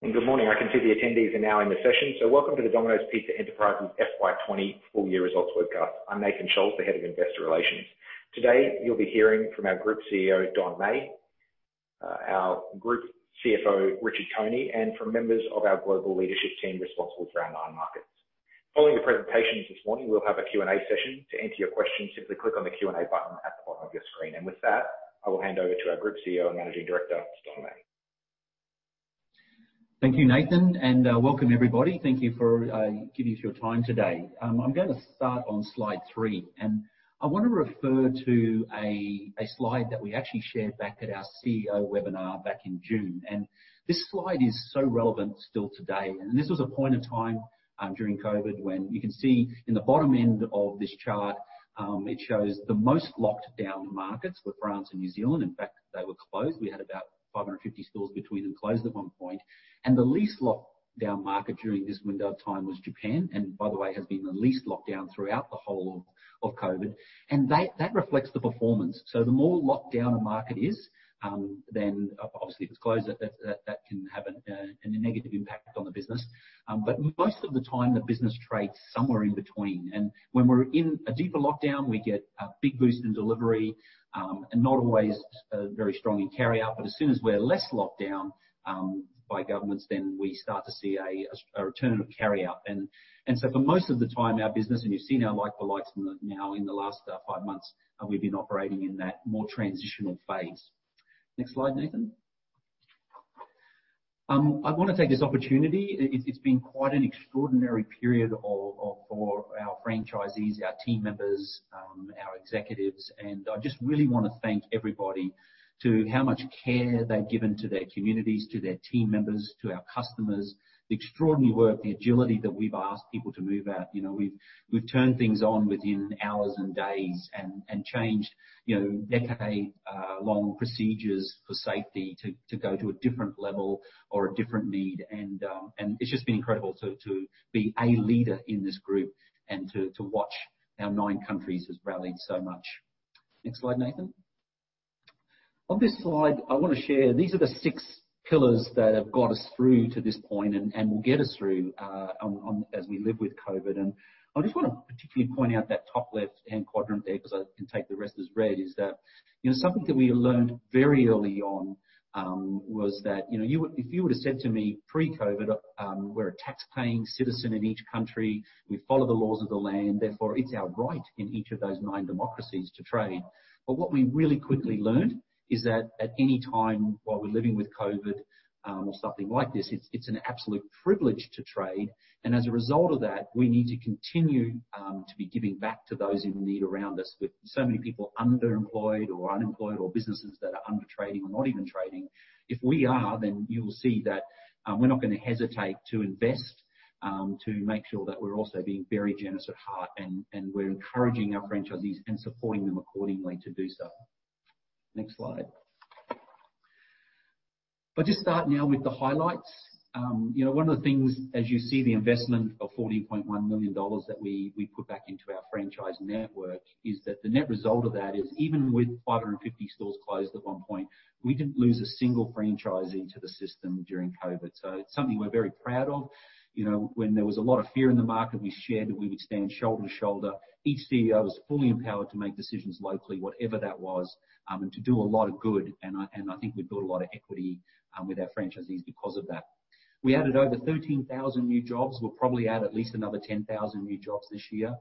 Good morning. I can see the attendees are now in the session, so welcome to the Domino's Pizza Enterprises FY20 Full-year Results webcast. I'm Nathan Scholz, the Head of Investor Relations. Today, you'll be hearing from our group CEO, Don Meij, our group CFO, Richard Coney, and from members of our global leadership team responsible for our nine markets. Following the presentations this morning, we'll have a Q&A session. To enter your questions, simply click on the Q&A button at the bottom of your screen. With that, I will hand over to our group CEO and managing director, Don Meij. Thank you, Nathan, and welcome, everybody. Thank you for giving us your time today. I'm gonna start on slide three, and I wanna refer to a slide that we actually shared back at our CEO webinar back in June. And this slide is so relevant still today. And this was a point of time during COVID when you can see in the bottom end of this chart. It shows the most locked-down markets were France and New Zealand. In fact, they were closed. We had about 550 stores between them closed at one point. And the least locked-down market during this window of time was Japan, and by the way, has been the least locked-down throughout the whole of COVID. And that reflects the performance. So the more locked-down a market is, then, obviously, if it's closed, that can have a negative impact on the business. But most of the time, the business trades somewhere in between. And when we're in a deeper lockdown, we get a big boost in delivery, and not always, very strong in carry-out. But as soon as we're less locked-down, by governments, then we start to see a return of carry-out. And so for most of the time, our business, and you've seen our like-for-likes in the last five months, we've been operating in that more transitional phase. Next slide, Nathan. I wanna take this opportunity. It's been quite an extraordinary period of for our franchisees, our team members, our executives. I just really wanna thank everybody for how much care they've given to their communities, to their team members, to our customers, the extraordinary work, the agility that we've asked people to move at. You know, we've turned things on within hours and days and changed, you know, decade-long procedures for safety to go to a different level or a different need. And it's just been incredible to be a leader in this group and to watch our nine countries have rallied so much. Next slide, Nathan. On this slide, I wanna share these are the six pillars that have got us through to this point and will get us through on as we live with COVID. I just want to particularly point out that top left-hand quadrant there 'cause I can take the rest as read is that, you know, something that we learned very early on, was that, you know, you would if you would've said to me pre-COVID, we're a tax-paying citizen in each country. We follow the laws of the land. Therefore, it's our right in each of those nine democracies to trade. But what we really quickly learned is that at any time while we're living with COVID, or something like this, it's, it's an absolute privilege to trade. And as a result of that, we need to continue, to be giving back to those in need around us with so many people underemployed or unemployed or businesses that are undertrading or not even trading. If we are, then you will see that, we're not gonna hesitate to invest, to make sure that we're also being very generous at heart and, and we're encouraging our franchisees and supporting them accordingly to do so. Next slide. I'll just start now with the highlights. You know, one of the things, as you see the investment of 14.1 million dollars that we, we put back into our franchise network is that the net result of that is even with 550 stores closed at one point, we didn't lose a single franchisee to the system during COVID. So it's something we're very proud of. You know, when there was a lot of fear in the market, we shared that we would stand shoulder to shoulder. Each CEO was fully empowered to make decisions locally, whatever that was, and to do a lot of good. And I think we built a lot of equity with our franchisees because of that. We added over 13,000 new jobs. We'll probably add at least another 10,000 new jobs this year,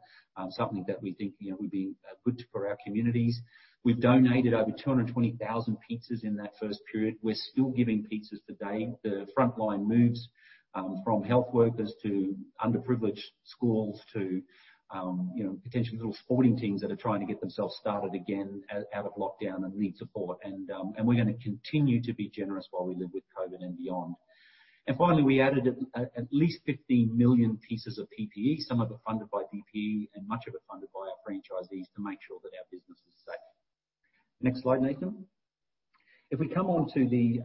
something that we think, you know, would be good for our communities. We've donated over 220,000 pizzas in that first period. We're still giving pizzas today. The frontline moves from health workers to underprivileged schools to, you know, potentially little sporting teams that are trying to get themselves started again out of lockdown and need support. And we're gonna continue to be generous while we live with COVID and beyond. And finally, we added at least 15 million pieces of PPE. Some of it funded by DPE and much of it funded by our franchisees to make sure that our business is safe. Next slide, Nathan. If we come on to the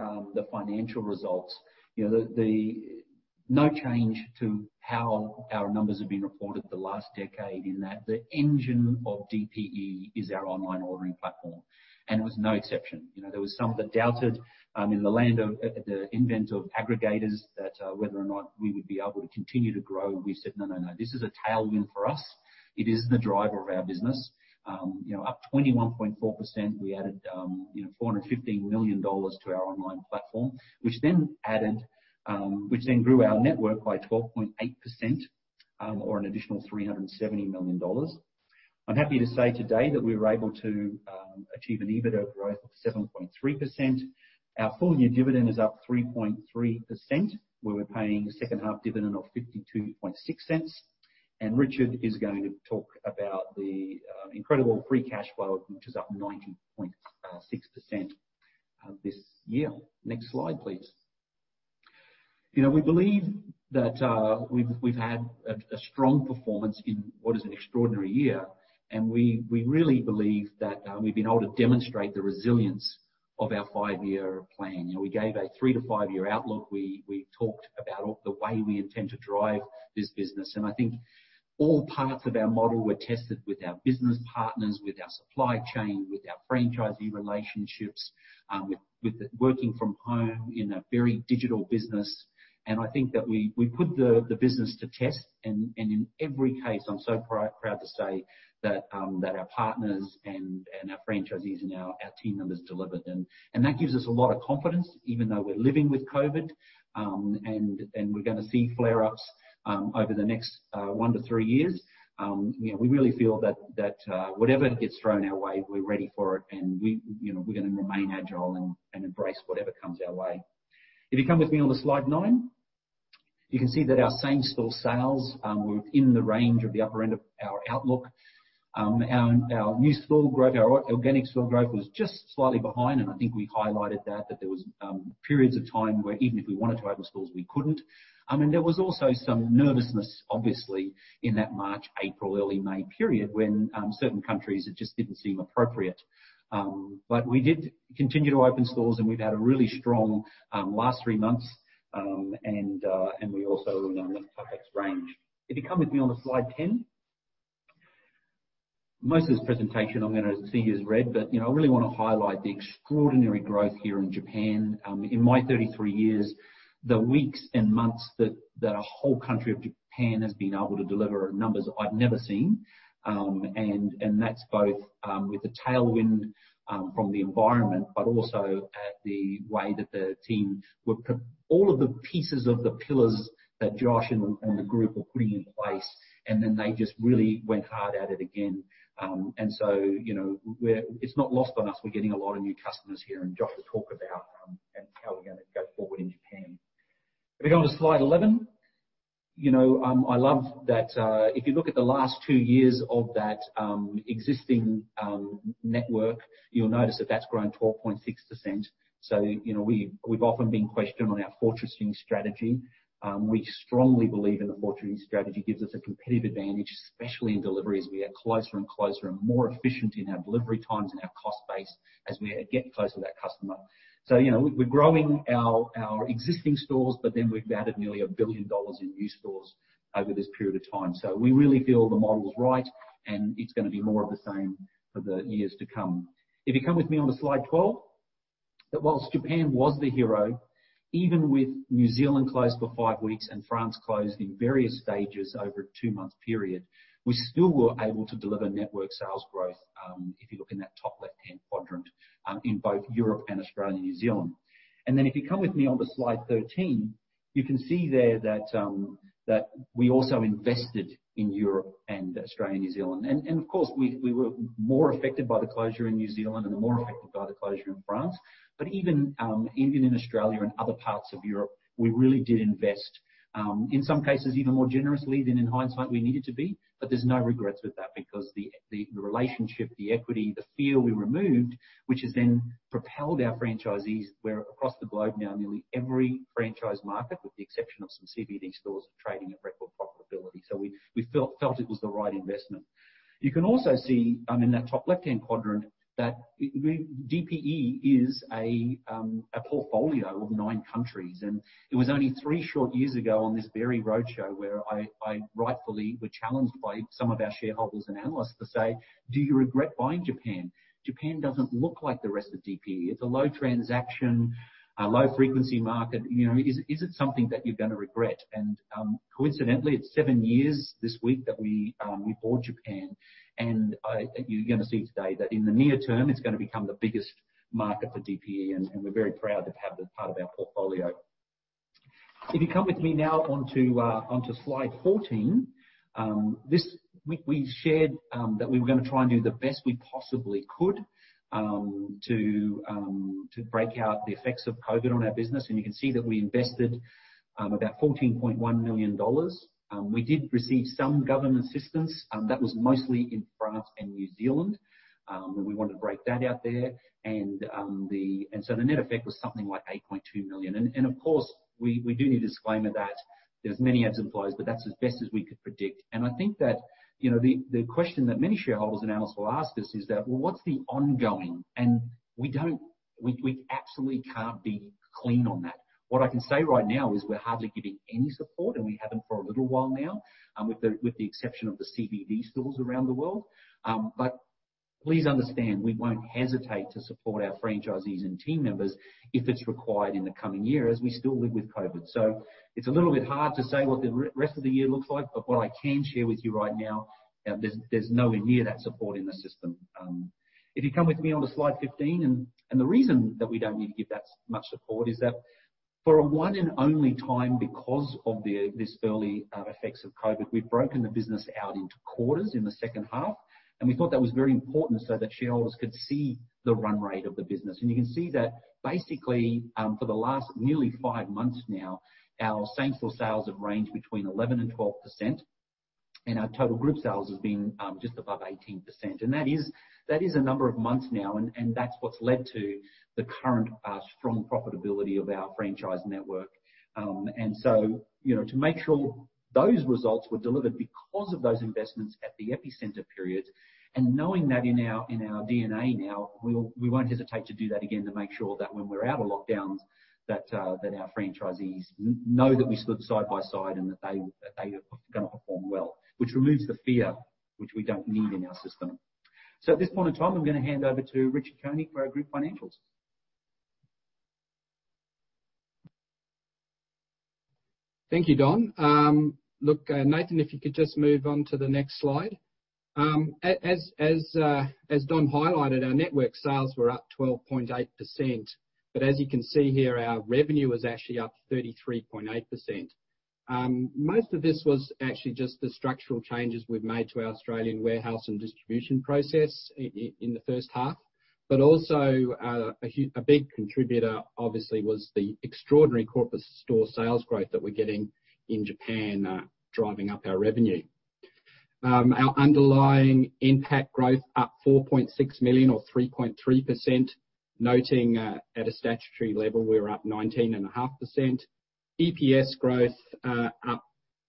financial results, you know, no change to how our numbers have been reported the last decade in that the engine of DPE is our online ordering platform. And it was no exception. You know, there was some that doubted, in the land of, the advent of aggregators that, whether or not we would be able to continue to grow. We said, "No, no, no. This is a tailwind for us. It is the driver of our business." You know, up 21.4%. We added, you know, 415 million dollars to our online platform, which then grew our network by 12.8%, or an additional 370 million dollars. I'm happy to say today that we were able to achieve an EBITDA growth of 7.3%. Our full-year dividend is up 3.3%, where we're paying a second-half dividend of 0.526. Richard is going to talk about the incredible free cash flow, which is up 90.6%, this year. Next slide, please. You know, we believe that we've had a strong performance in what is an extraordinary year. We really believe that we've been able to demonstrate the resilience of our five-year plan. You know, we gave a three-to-five-year outlook. We talked about all the way we intend to drive this business. I think all parts of our model were tested with our business partners, with our supply chain, with our franchisee relationships, with the working from home in a very digital business. I think that we put the business to test. In every case, I'm so proud to say that our partners and our franchisees and our team members delivered. That gives us a lot of confidence, even though we're living with COVID, and we're gonna see flare-ups over the next one to three years. You know, we really feel that whatever gets thrown our way, we're ready for it. You know, we're gonna remain agile and embrace whatever comes our way. If you come with me on to slide nine, you can see that our same-store sales were within the range of the upper end of our outlook. Our new store growth, our organic store growth was just slightly behind. I think we highlighted that there was periods of time where even if we wanted to open stores, we couldn't. There was also some nervousness, obviously, in that March, April, early May period when certain countries it just didn't seem appropriate. But we did continue to open stores, and we've had a really strong last three months. And we also are in our perfect range. If you come with me on to slide 10, most of this presentation I'm gonna show is red, but you know, I really wanna highlight the extraordinary growth here in Japan. In my 33 years, the weeks and months that a whole country of Japan has been able to deliver are numbers I've never seen. And that's both with the tailwind from the environment, but also with the way that the team were putting all of the pieces of the pillars that Josh and the group were putting in place. Then they just really went hard at it again. So you know, we're, it's not lost on us. We're getting a lot of new customers here, and Josh will talk about, and how we're gonna go forward in Japan. If we go on to slide 11, you know, I love that, if you look at the last two years of that existing network, you'll notice that that's grown 12.6%. So, you know, we've, we've often been questioned on our fortressing strategy. We strongly believe in the fortressing strategy gives us a competitive advantage, especially in delivery as we get closer and closer and more efficient in our delivery times and our cost base as we get closer to that customer. So, you know, we-we're growing our, our existing stores, but then we've added nearly 1 billion dollars in new stores over this period of time. So we really feel the model's right, and it's gonna be more of the same for the years to come. If you come with me on to slide 12, that whilst Japan was the hero, even with New Zealand closed for five weeks and France closed in various stages over a two-month period, we still were able to deliver network sales growth, if you look in that top left-hand quadrant, in both Europe and Australia and New Zealand. And then if you come with me on to slide 13, you can see there that we also invested in Europe and Australia and New Zealand. And of course, we were more affected by the closure in New Zealand and more affected by the closure in France. But even in Australia and other parts of Europe, we really did invest, in some cases even more generously than in hindsight we needed to be. But there's no regrets with that because the relationship, the equity, the fear we removed, which has then propelled our franchisees where across the globe now nearly every franchise market, with the exception of some CBD stores, are trading at record profitability. So we felt it was the right investment. You can also see, in that top left-hand quadrant that DPE is a portfolio of nine countries. And it was only three short years ago on this very roadshow where I rightfully were challenged by some of our shareholders and analysts to say, "Do you regret buying Japan? Japan doesn't look like the rest of DPE. It's a low transaction, low-frequency market. You know, is it something that you're gonna regret?" And, coincidentally, it's seven years this week that we bought Japan. You're gonna see today that in the near term, it's gonna become the biggest market for DPE. We're very proud to have it as part of our portfolio. If you come with me now onto slide 14, this we shared, that we were gonna try and do the best we possibly could, to break out the effects of COVID on our business. You can see that we invested about 14.1 million dollars. We did receive some government assistance. That was mostly in France and New Zealand. We wanted to break that out there. The net effect was something like 8.2 million. Of course, we do need to disclaim that there's many examples, but that's as best as we could predict. I think that, you know, the question that many shareholders and analysts will ask us is that, "Well, what's the ongoing?" And we don't, we absolutely can't be clean on that. What I can say right now is we're hardly giving any support, and we haven't for a little while now, with the exception of the CBD stores around the world. But please understand we won't hesitate to support our franchisees and team members if it's required in the coming year as we still live with COVID. So it's a little bit hard to say what the rest of the year looks like, but what I can share with you right now, there's nowhere near that support in the system. If you come with me on to slide 15, and the reason that we don't need to give that much support is that for a one and only time because of the early effects of COVID, we've broken the business out into quarters in the second half. And we thought that was very important so that shareholders could see the run rate of the business. And you can see that basically, for the last nearly five months now, our same-store sales have ranged between 11% and 12%, and our total group sales has been just above 18%. And that is a number of months now, and that's what's led to the current strong profitability of our franchise network. And so, you know, to make sure those results were delivered because of those investments at the epicenter period, and knowing that in our DNA now, we won't hesitate to do that again to make sure that when we're out of lockdowns, that our franchisees know that we stood side by side and that they are gonna perform well, which removes the fear, which we don't need in our system. So at this point in time, I'm gonna hand over to Richard Coney for our group financials. Thank you, Don. Look, Nathan, if you could just move on to the next slide. As Don highlighted, our network sales were up 12.8%. But as you can see here, our revenue is actually up 33.8%. Most of this was actually just the structural changes we've made to our Australian warehouse and distribution process in the first half. But also, a huge contributor, obviously, was the extraordinary comparable store sales growth that we're getting in Japan, driving up our revenue. Our underlying NPAT growth up 4.6 million or 3.3%, noting, at a statutory level, we were up 19.5%. EPS growth, up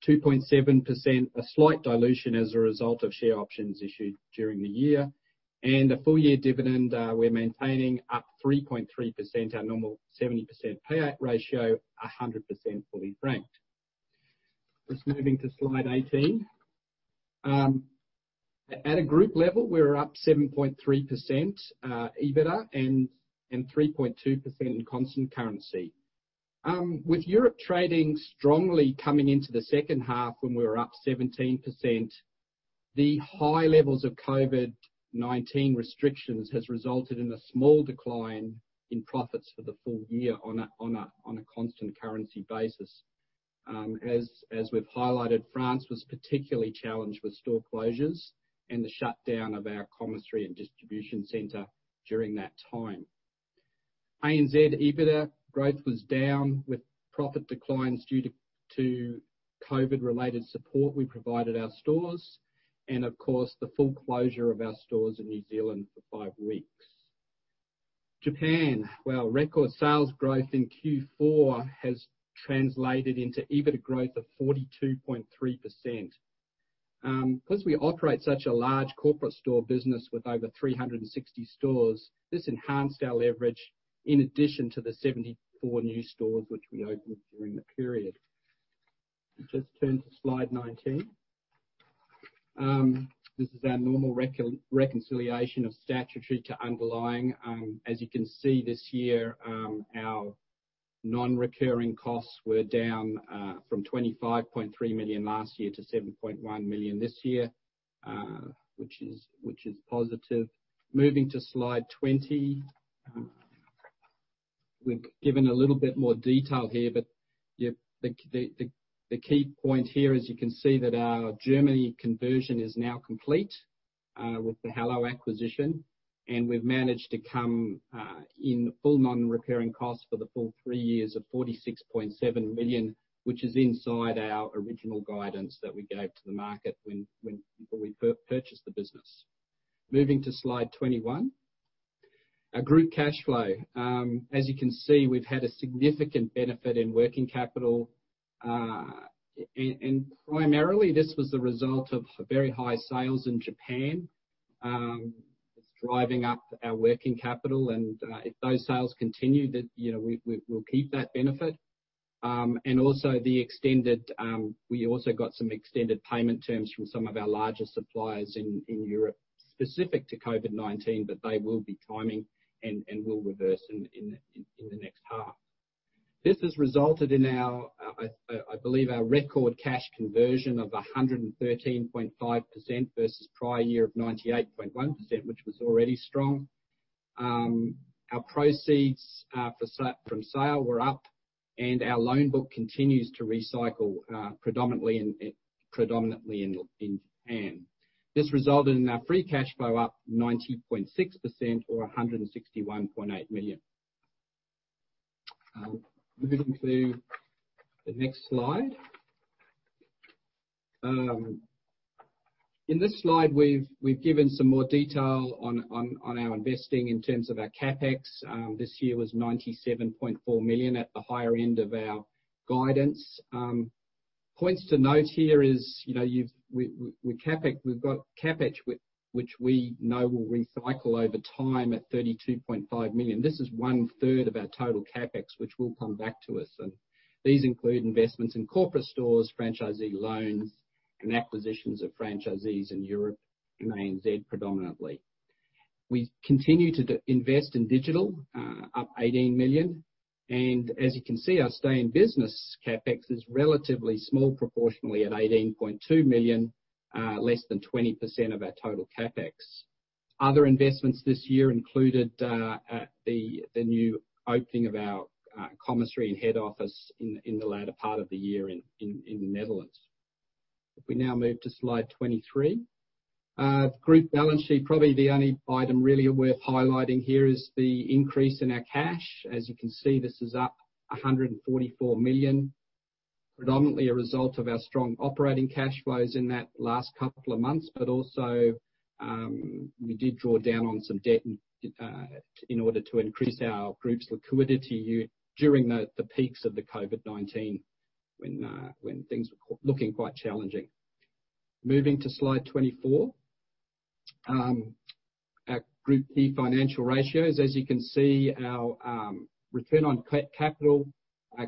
2.7%, a slight dilution as a result of share options issued during the year. And the full-year dividend, we're maintaining up 3.3%, our normal 70% payout ratio, 100% fully franked. Just moving to slide 18. At a group level, we were up 7.3% EBITDA and 3.2% in constant currency. With Europe trading strongly coming into the second half when we were up 17%, the high levels of COVID-19 restrictions has resulted in a small decline in profits for the full year on a constant currency basis. As we've highlighted, France was particularly challenged with store closures and the shutdown of our commissary and distribution center during that time. ANZ EBITDA growth was down with profit declines due to COVID-related support we provided our stores. Of course, the full closure of our stores in New Zealand for five weeks. Japan, well, record sales growth in Q4 has translated into EBITDA growth of 42.3%. Because we operate such a large corporate store business with over 360 stores, this enhanced our leverage in addition to the 74 new stores which we opened during the period. Just turn to slide 19. This is our normal reconciliation of statutory to underlying. As you can see this year, our non-recurring costs were down, from 25.3 million last year to 7.1 million this year, which is positive. Moving to slide 20, we've given a little bit more detail here, but the key point here is you can see that our Germany conversion is now complete, with the Hallo acquisition. And we've managed to come in full non-recurring costs for the full three years of 46.7 million, which is inside our original guidance that we gave to the market when before we purchased the business. Moving to slide 21, our group cash flow. As you can see, we've had a significant benefit in working capital. And primarily this was the result of very high sales in Japan. It's driving up our working capital. If those sales continue, that, you know, we'll keep that benefit. We also got some extended payment terms from some of our larger suppliers in Europe specific to COVID-19, but they will be timing and will reverse in the next half. This has resulted in our, I believe, our record cash conversion of 113.5% versus prior year of 98.1%, which was already strong. Our proceeds from sales were up, and our loan book continues to recycle, predominantly in Japan. This resulted in our free cash flow up 90.6% or 161.8 million. Moving to the next slide. In this slide, we've given some more detail on our investing in terms of our CapEx this year was 97.4 million at the higher end of our guidance. Points to note here is, you know, we've got CapEx which we know will recycle over time at 32.5 million. This is one-third of our total CapEx, which will come back to us. And these include investments in corporate stores, franchisee loans, and acquisitions of franchisees in Europe, ANZ predominantly. We continue to invest in digital, up 18 million. And as you can see, our stay in business CapEx is relatively small proportionally at 18.2 million, less than 20% of our total CapEx. Other investments this year included the new opening of our commissary and head office in the latter part of the year in the Netherlands. If we now move to slide 23, the group balance sheet, probably the only item really worth highlighting here is the increase in our cash. As you can see, this is up 144 million, predominantly a result of our strong operating cash flows in that last couple of months. But also, we did draw down on some debt in order to increase our group's liquidity during the peaks of the COVID-19 when things were looking quite challenging. Moving to slide 24, our group key financial ratios. As you can see, our return on capital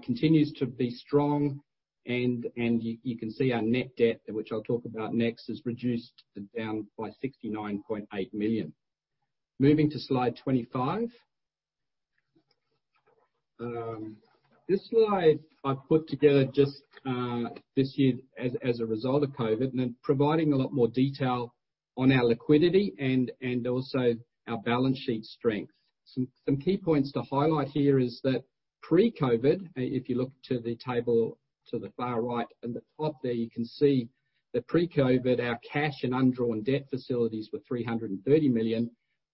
continues to be strong. And you can see our net debt, which I'll talk about next, has reduced down by 69.8 million. Moving to slide 25. This slide I've put together just this year as a result of COVID, and then providing a lot more detail on our liquidity and also our balance sheet strength. Some key points to highlight here is that pre-COVID, if you look to the table to the far right in the top there, you can see that pre-COVID, our cash and undrawn debt facilities were 330 million.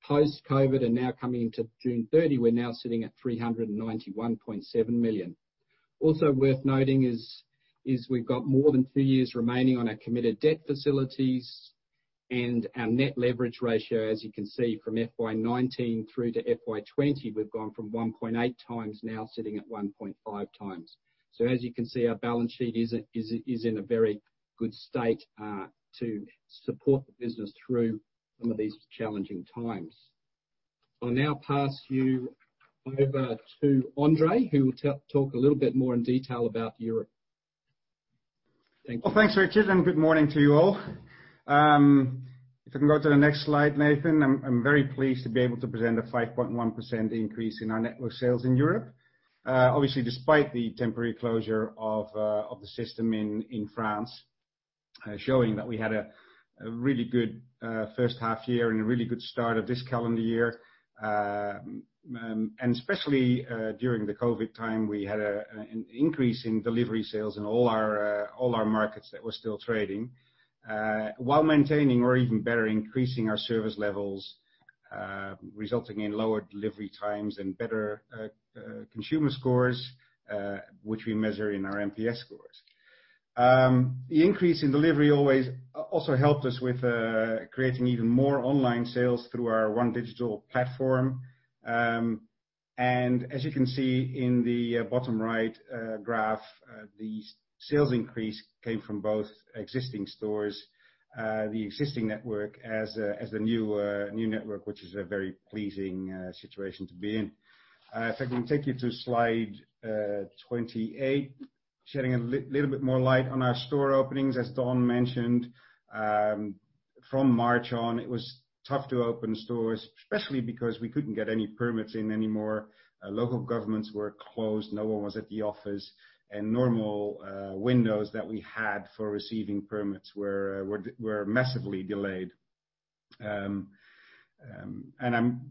Post-COVID, and now coming into June 30, we're now sitting at 391.7 million. Also worth noting is we've got more than two years remaining on our committed debt facilities. And our net leverage ratio, as you can see, from FY19 through to FY20, we've gone from 1.8x now sitting at 1.5x. So as you can see, our balance sheet is in a very good state to support the business through some of these challenging times. I'll now pass you over to André, who will talk a little bit more in detail about Europe. Thank you. Thanks, Richard. And good morning to you all. If I can go to the next slide, Nathan, I'm very pleased to be able to present a 5.1% increase in our network sales in Europe, obviously despite the temporary closure of the system in France, showing that we had a really good first half year and a really good start of this calendar year. And especially during the COVID time, we had an increase in delivery sales in all our markets that were still trading, while maintaining or even better increasing our service levels, resulting in lower delivery times and better consumer scores, which we measure in our NPS scores. The increase in delivery always also helped us with creating even more online sales through our OneDigital platform. And as you can see in the bottom right graph, the sales increase came from both existing stores, the existing network as the new network, which is a very pleasing situation to be in. If I can take you to slide 28, shedding a little bit more light on our store openings, as Don mentioned, from March on, it was tough to open stores, especially because we couldn't get any permits in anymore. Local governments were closed. No one was at the office. And normal windows that we had for receiving permits were massively delayed. And I'm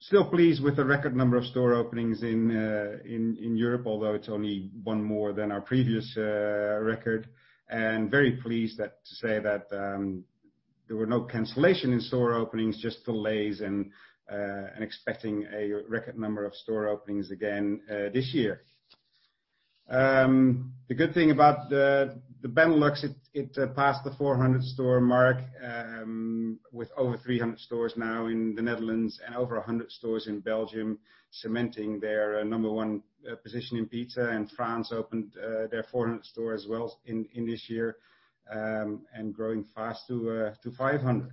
still pleased with the record number of store openings in Europe, although it's only one more than our previous record. Very pleased to say that there were no cancellations in store openings, just delays and expecting a record number of store openings again this year. The good thing about the Benelux, it passed the 400-store mark, with over 300 stores now in the Netherlands and over 100 stores in Belgium, cementing their number one position in pizza. France opened their 400th store as well in this year and growing fast to 500 stores.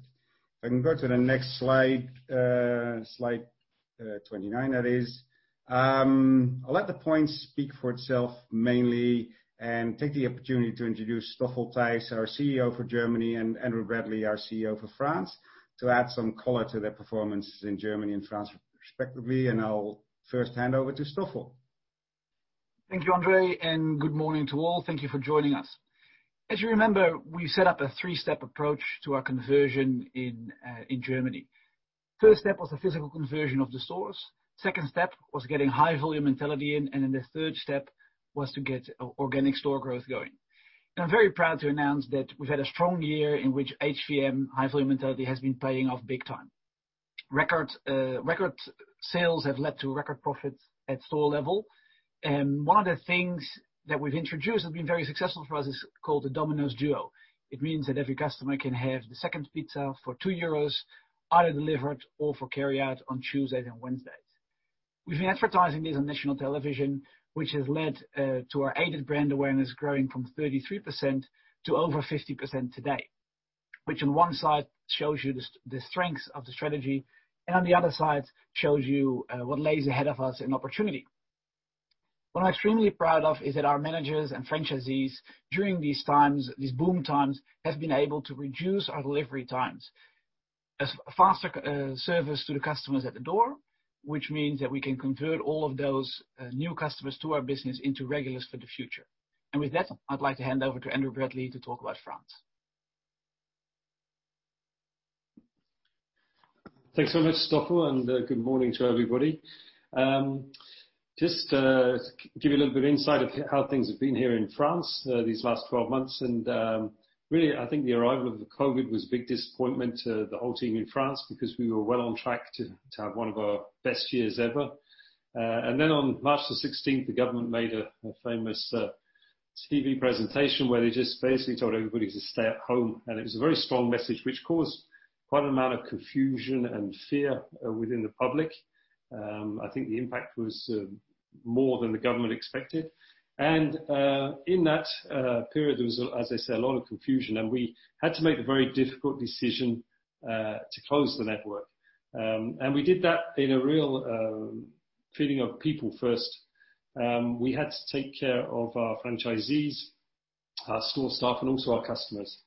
If I can go to the next slide, slide 29, that is. I'll let the points speak for themselves mainly and take the opportunity to introduce Stoffel Thijs, our CEO for Germany, and Andrew Bradley, our CEO for France, to add some color to their performances in Germany and France respectively. I'll first hand over to Stoffel. Thank you, André. Good morning to all. Thank you for joining us. As you remember, we set up a three-step approach to our conversion in Germany. First step was the physical conversion of the stores. Second step was getting High Volume Mentality in. The third step was to get organic store growth going. I'm very proud to announce that we've had a strong year in which HVM, High Volume Mentality, has been paying off big time. Record sales have led to record profits at store level. One of the things that we've introduced that's been very successful for us is called the Domino's Duo. It means that every customer can have the second pizza for 2 euros, either delivered or for carry-out on Tuesdays and Wednesdays. We've been advertising this on national television, which has led to our aided brand awareness growing from 33% to over 50% today, which on one side shows you the strengths of the strategy and on the other side shows you what lies ahead of us in opportunity. What I'm extremely proud of is that our managers and franchisees during these times, these boom times, have been able to reduce our delivery times to a faster service to the customers at the door, which means that we can convert all of those new customers to our business into regulars for the future. And with that, I'd like to hand over to Andrew Bradley to talk about France. Thanks so much, Stoffel, and good morning to everybody. Just to give you a little bit of insight of how things have been here in France these last 12 months. Really, I think the arrival of COVID was a big disappointment to the whole team in France because we were well on track to have one of our best years ever and then on March the 16th, the government made a famous TV presentation where they just basically told everybody to stay at home, and it was a very strong message, which caused quite an amount of confusion and fear within the public. I think the impact was more than the government expected, and in that period there was, as I said, a lot of confusion, and we had to make a very difficult decision to close the network. And we did that with a real feeling of people first. We had to take care of our franchisees, our store staff, and also our customers.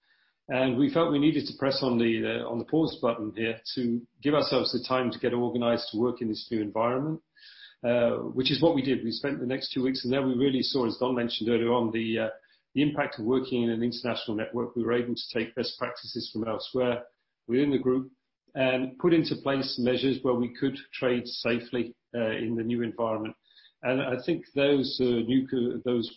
We felt we needed to press on the pause button here to give ourselves the time to get organized to work in this new environment, which is what we did. We spent the next two weeks. Then we really saw, as Don mentioned earlier, the impact of working in an international network. We were able to take best practices from elsewhere within the group and put into place measures where we could trade safely in the new environment. I think those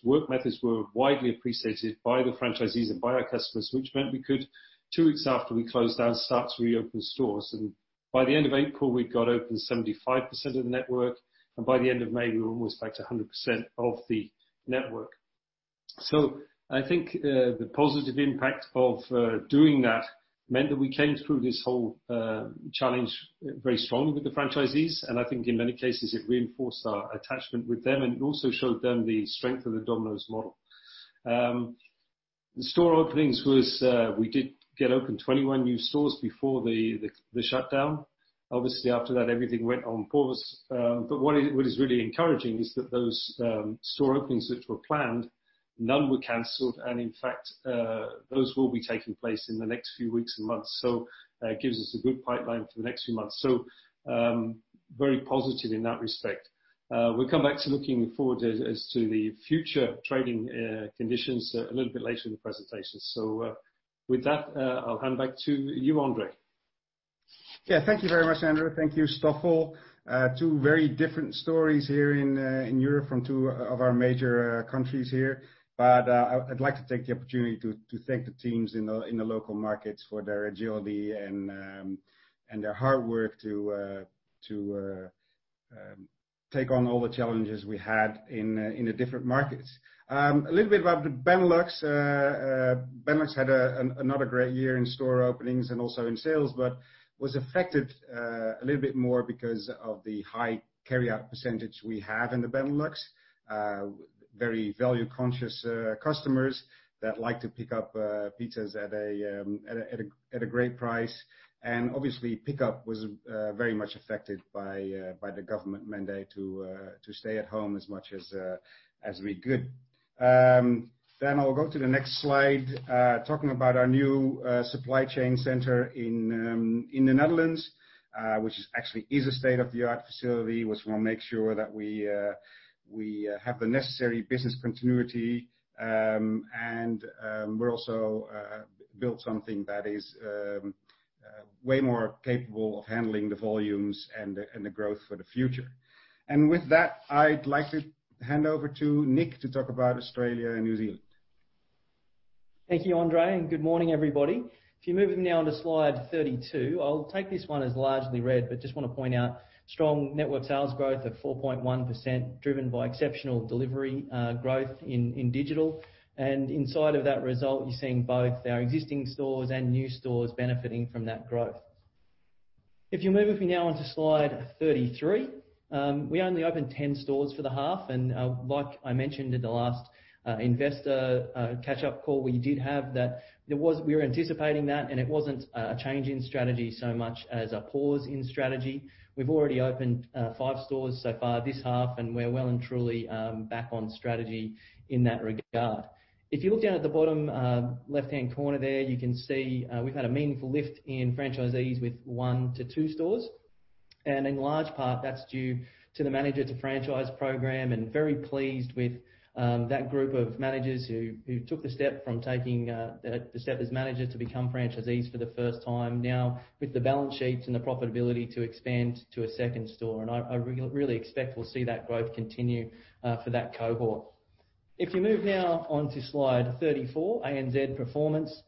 work methods were widely appreciated by the franchisees and by our customers, which meant we could, two weeks after we closed down, start to reopen stores. By the end of April, we'd got open 75% of the network. By the end of May, we were almost back to 100% of the network. I think the positive impact of doing that meant that we came through this whole challenge very strongly with the franchisees. I think in many cases, it reinforced our attachment with them. It also showed them the strength of the Domino's model. The store openings was, we did get open 21 new stores before the shutdown. Obviously, after that, everything went on pause. What is really encouraging is that those store openings which were planned, none were canceled. In fact, those will be taking place in the next few weeks and months. It gives us a good pipeline for the next few months. Very positive in that respect. We'll come back to looking forward as to the future trading conditions a little bit later in the presentation. So, with that, I'll hand back to you, André. Yeah. Thank you very much, Andrew. Thank you, Stoffel. Two very different stories here in Europe from two of our major countries here. I'd like to take the opportunity to thank the teams in the local markets for their agility and their hard work to take on all the challenges we had in the different markets. A little bit about the Benelux. Benelux had another great year in store openings and also in sales, but was affected a little bit more because of the high carry-out percentage we have in the Benelux. Very value-conscious customers that like to pick up pizzas at a great price. Obviously, pickup was very much affected by the government mandate to stay at home as much as we could. Then I'll go to the next slide, talking about our new supply chain center in the Netherlands, which actually is a state-of-the-art facility. We just want to make sure that we have the necessary business continuity. We're also built something that is way more capable of handling the volumes and the growth for the future. With that, I'd like to hand over to Nick to talk about Australia and New Zealand. Thank you, André. Good morning, everybody. If you move with me now on to slide 32, I'll take this one as largely read, but just want to point out strong network sales growth of 4.1% driven by exceptional delivery growth in digital. And inside of that result, you're seeing both our existing stores and new stores benefiting from that growth. If you move with me now on to slide 33, we only opened 10 stores for the half. And like I mentioned in the last investor catch-up call, we did have that; we were anticipating that. And it wasn't a change in strategy so much as a pause in strategy. We've already opened five stores so far this half. And we're well and truly back on strategy in that regard. If you look down at the bottom, left-hand corner there, you can see, we've had a meaningful lift in franchisees with one store-two stores. And in large part, that's due to the Manager-to-Franchise program. And very pleased with that group of managers who took the step from the step as manager to become franchisees for the first time now with the balance sheets and the profitability to expand to a second store. And I really expect we'll see that growth continue for that cohort. If you move now on to slide 34, ANZ performance,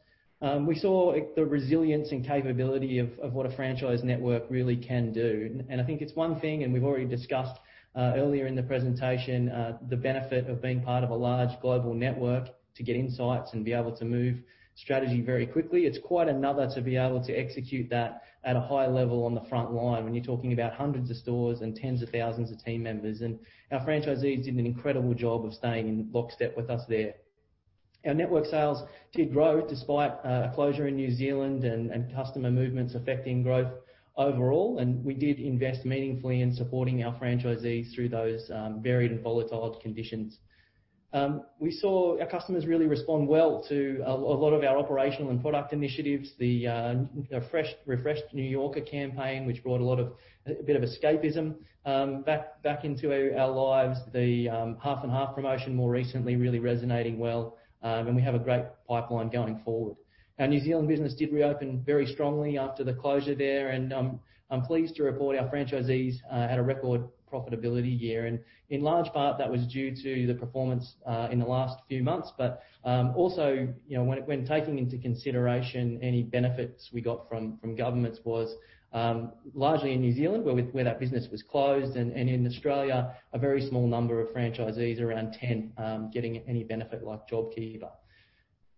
we saw the resilience and capability of what a franchise network really can do. I think it's one thing, and we've already discussed earlier in the presentation the benefit of being part of a large global network to get insights and be able to move strategy very quickly. It's quite another to be able to execute that at a high level on the front line when you're talking about hundreds of stores and tens of thousands of team members, and our franchisees did an incredible job of staying in lockstep with us there. Our network sales did grow despite a closure in New Zealand and customer movements affecting growth overall, and we did invest meaningfully in supporting our franchisees through those varied and volatile conditions. We saw our customers really respond well to a lot of our operational and product initiatives, the refreshed New Yorker campaign, which brought a lot of a bit of escapism back into our lives. The half-and-half promotion more recently really resonating well, and we have a great pipeline going forward. Our New Zealand business did reopen very strongly after the closure there. I'm pleased to report our franchisees had a record profitability year. In large part, that was due to the performance in the last few months. But also, you know, when taking into consideration any benefits we got from governments was largely in New Zealand where that business was closed. In Australia, a very small number of franchisees, around 10, getting any benefit like JobKeeper.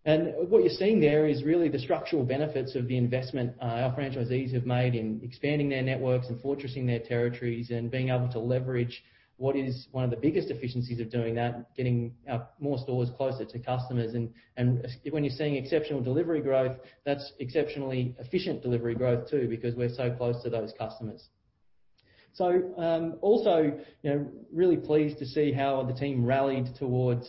What you're seeing there is really the structural benefits of the investment our franchisees have made in expanding their networks and fortressing their territories and being able to leverage what is one of the biggest efficiencies of doing that, getting more stores closer to customers. When you're seeing exceptional delivery growth, that's exceptionally efficient delivery growth too because we're so close to those customers. Also, you know, really pleased to see how the team rallied toward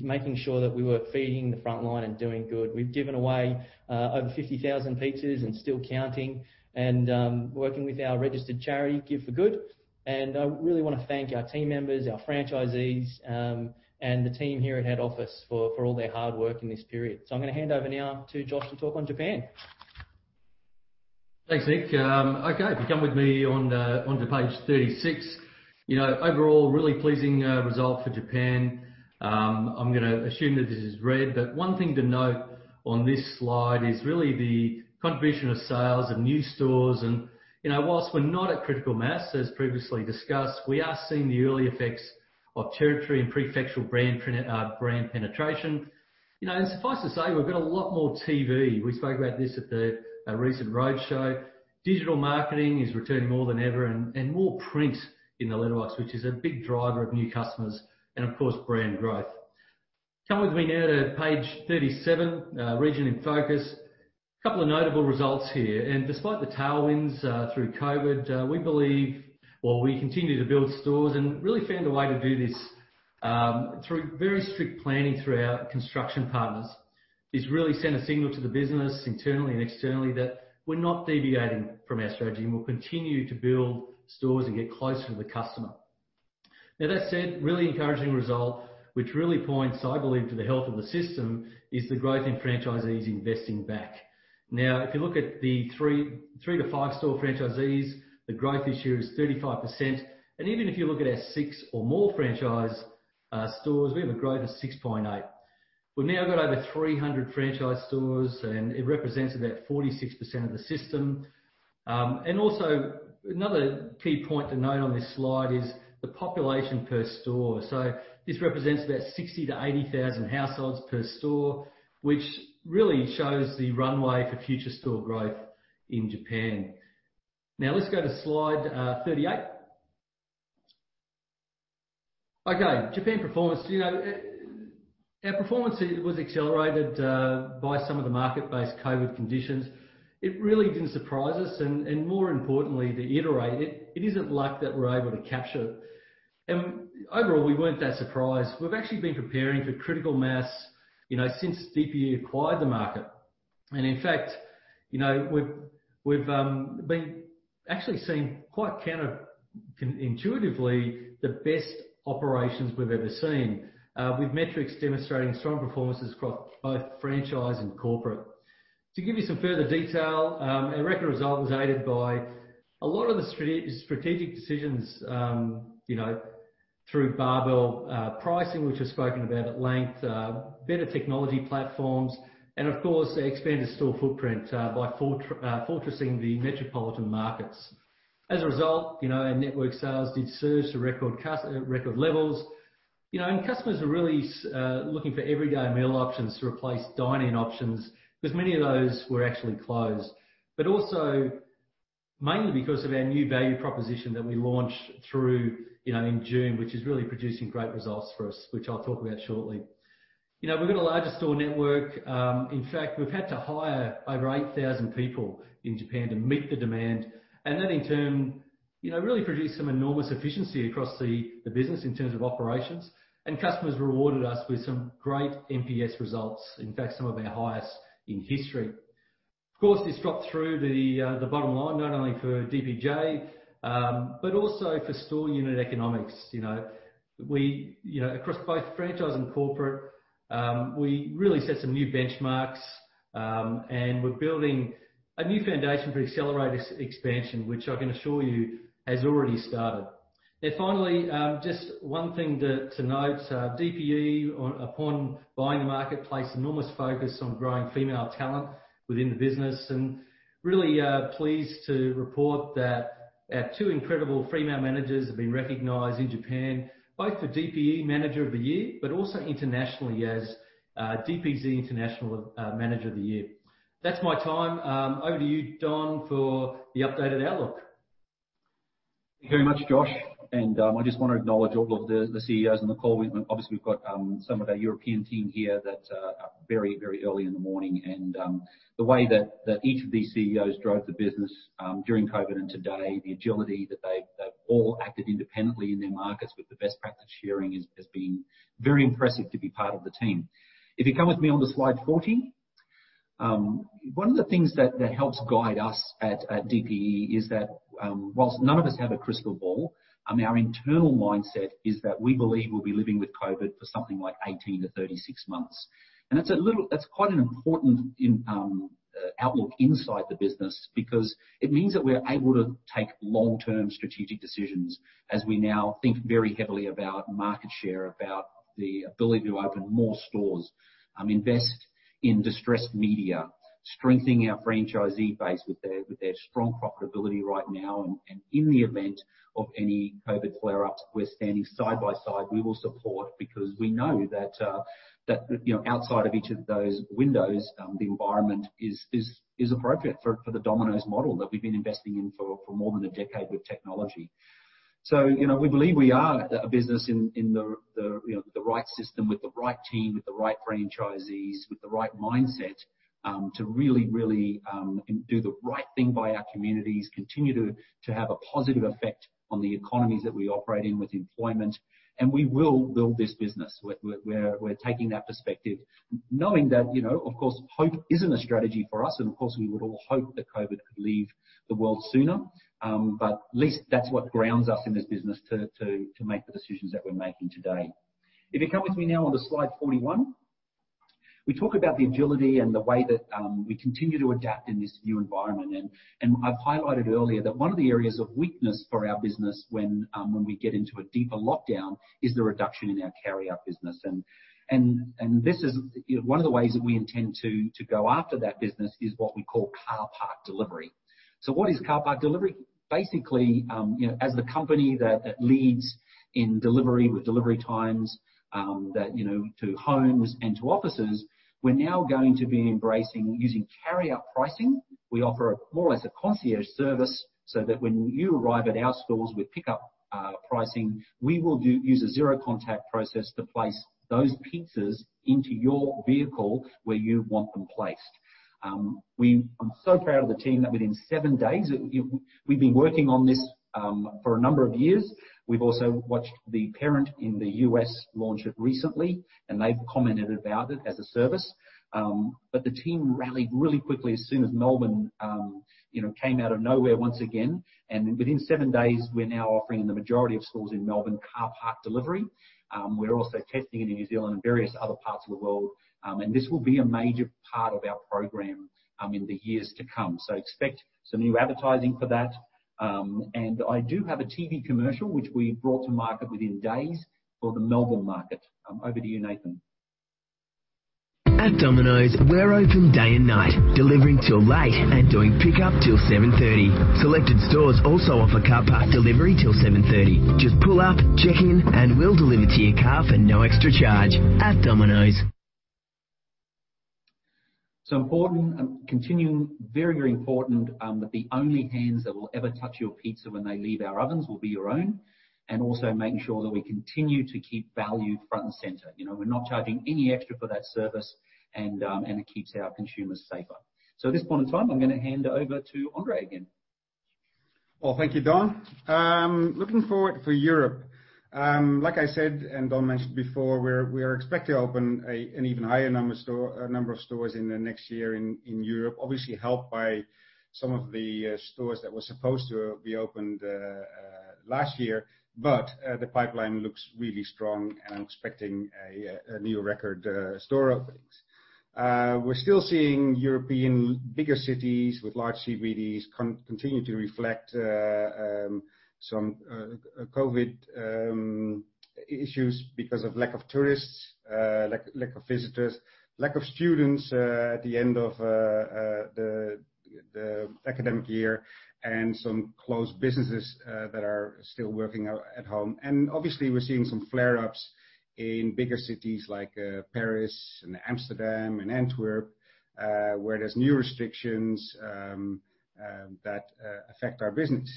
making sure that we were feeding the front line and doing good. We've given away over 50,000 pizzas and still counting and working with our registered charity, Give for Good. I really want to thank our team members, our franchisees, and the team here at head office for all their hard work in this period. I'm going to hand over now to Josh to talk on Japan. Thanks, Nick. Okay. If you come with me on, onto page 36, you know, overall really pleasing result for Japan. I'm going to assume that this is read. But one thing to note on this slide is really the contribution of sales and new stores. And, you know, whilst we're not at critical mass, as previously discussed, we are seeing the early effects of territory and prefectural brand brand penetration. You know, and suffice to say, we've got a lot more TV. We spoke about this at the recent roadshow. Digital marketing is returning more than ever and, and more print in the Benelux, which is a big driver of new customers. And of course, brand growth. Come with me now to page 37, region in focus. A couple of notable results here. Despite the tailwinds through COVID, we believe, well, we continue to build stores and really found a way to do this, through very strict planning through our construction partners has really sent a signal to the business internally and externally that we're not deviating from our strategy and we'll continue to build stores and get closer to the customer. Now, that said, really encouraging result, which really points, I believe, to the health of the system is the growth in franchisees investing back. Now, if you look at the three, three to five store franchisees, the growth this year is 35%. And even if you look at our six or more franchise stores, we have a growth of 6.8%. We've now got over 300 franchise stores, and it represents about 46% of the system. And also another key point to note on this slide is the population per store. This represents about 60,000 households-80,000 households per store, which really shows the runway for future store growth in Japan. Now, let's go to slide 38. Okay. Japan performance, you know, our performance was accelerated by some of the market-based COVID conditions. It really didn't surprise us. More importantly, to iterate, it isn't luck that we're able to capture. Overall, we weren't that surprised. We've actually been preparing for critical mass, you know, since DPE acquired the market. In fact, you know, we've actually seen quite counterintuitively the best operations we've ever seen, with metrics demonstrating strong performances across both franchise and corporate. To give you some further detail, our record result was aided by a lot of the strategic decisions, you know, through Barbell Pricing, which I've spoken about at length, better technology platforms, and of course, the expanded store footprint, by fortressing the metropolitan markets. As a result, you know, our network sales did surge to record customer levels. You know, and customers were really looking for everyday meal options to replace dining options because many of those were actually closed, but also mainly because of our new value proposition that we launched, you know, in June, which is really producing great results for us, which I'll talk about shortly. You know, we've got a larger store network. In fact, we've had to hire over 8,000 people in Japan to meet the demand. And that, in turn, you know, really produced some enormous efficiency across the business in terms of operations. And customers rewarded us with some great NPS results, in fact, some of our highest in history. Of course, this dropped through the bottom line, not only for DPJ, but also for store unit economics. You know, we, you know, across both franchise and corporate, we really set some new benchmarks. And we're building a new foundation for accelerated expansion, which I can assure you has already started. Now, finally, just one thing to note, DPE, upon buying the market, placed enormous focus on growing female talent within the business. And really, pleased to report that our two incredible female managers have been recognized in Japan, both for DPE Manager of the Year, but also internationally as DPZ International Manager of the Year. That's my time. Over to you, Don, for the updated outlook. Thank you very much, Josh. I just want to acknowledge all of the CEOs on the call. We obviously, we've got some of our European team here that are very early in the morning. The way that each of these CEOs drove the business during COVID and today, the agility that they've all acted independently in their markets with the best practice sharing has been very impressive to be part of the team. If you come with me on to slide 40, one of the things that helps guide us at DPE is that, while none of us have a crystal ball, our internal mindset is that we believe we'll be living with COVID for something like 18 months-36 months. That's quite an important insight into the outlook inside the business because it means that we're able to take long-term strategic decisions as we now think very heavily about market share, about the ability to open more stores, invest in digital media, strengthening our franchisee base with their strong profitability right now. And in the event of any COVID flare-ups, we're standing side by side. We will support because we know that, you know, outside of each of those windows, the environment is appropriate for the Domino's model that we've been investing in for more than a decade with technology. So, you know, we believe we are a business in the right system with the right team, with the right franchisees, with the right mindset, to really, really, do the right thing by our communities, continue to have a positive effect on the economies that we operate in with employment. And we will build this business. We're taking that perspective, knowing that, you know, of course, hope isn't a strategy for us. And of course, we would all hope that COVID could leave the world sooner. But at least that's what grounds us in this business to make the decisions that we're making today. If you come with me now on to slide 41, we talk about the agility and the way that we continue to adapt in this new environment. I've highlighted earlier that one of the areas of weakness for our business when we get into a deeper lockdown is the reduction in our carry-out business. This is, you know, one of the ways that we intend to go after that business: what we call Car Park Delivery. So what is Car Park Delivery? Basically, you know, as the company that leads in delivery with delivery times, you know, to homes and to offices, we're now going to be embracing using carry-out pricing. We offer more or less a concierge service so that when you arrive at our stores with pickup pricing, we will do use a zero-contact process to place those pizzas into your vehicle where you want them placed. Well, I'm so proud of the team that, within seven days, you know, we've been working on this for a number of years. We've also watched the parent in the U.S. launch it recently, and they've commented about it as a service. But the team rallied really quickly as soon as Melbourne, you know, came out of nowhere once again. And within seven days, we're now offering in the majority of stores in Melbourne Car Park Delivery. We're also testing it in New Zealand and various other parts of the world. And this will be a major part of our program in the years to come. So expect some new advertising for that. And I do have a TV commercial, which we brought to market within days for the Melbourne market. Over to you, Nathan. At Domino's, we're open day and night, delivering till late and doing pickup till 7:30 P.M. Selected stores also offer Car Park Delivery till 7:30 P.M. Just pull up, check in, and we'll deliver to your car for no extra charge at Domino's. So important, continuing very, very important, that the only hands that will ever touch your pizza when they leave our ovens will be your own. And also making sure that we continue to keep value front and center. You know, we're not charging any extra for that service. And it keeps our consumers safer. So at this point in time, I'm going to hand over to André again. Thank you, Don. Looking forward for Europe. Like I said, and Don mentioned before, we're expected to open an even higher number of stores in the next year in Europe, obviously helped by some of the stores that were supposed to have reopened last year. But the pipeline looks really strong, and I'm expecting a new record store openings. We're still seeing European bigger cities with large CBDs continue to reflect some COVID issues because of lack of tourists, lack of visitors, lack of students at the end of the academic year, and some closed businesses that are still working at home. And obviously, we're seeing some flare-ups in bigger cities like Paris and Amsterdam and Antwerp, where there's new restrictions that affect our business.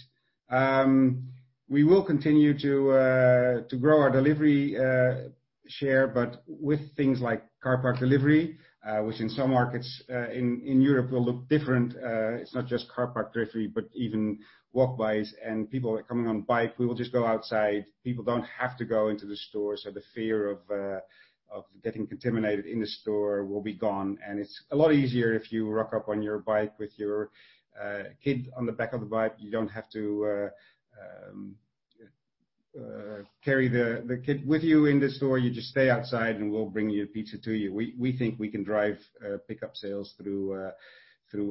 We will continue to grow our delivery share, but with things like Car Park Delivery, which in some markets in Europe will look different. It's not just Car Park Delivery, but even walk-by and people coming on bike. We will just go outside. People don't have to go into the store. So the fear of getting contaminated in the store will be gone. And it's a lot easier if you rock up on your bike with your kid on the back of the bike. You don't have to carry the kid with you in the store. You just stay outside, and we'll bring you the pizza to you. We think we can drive pickup sales through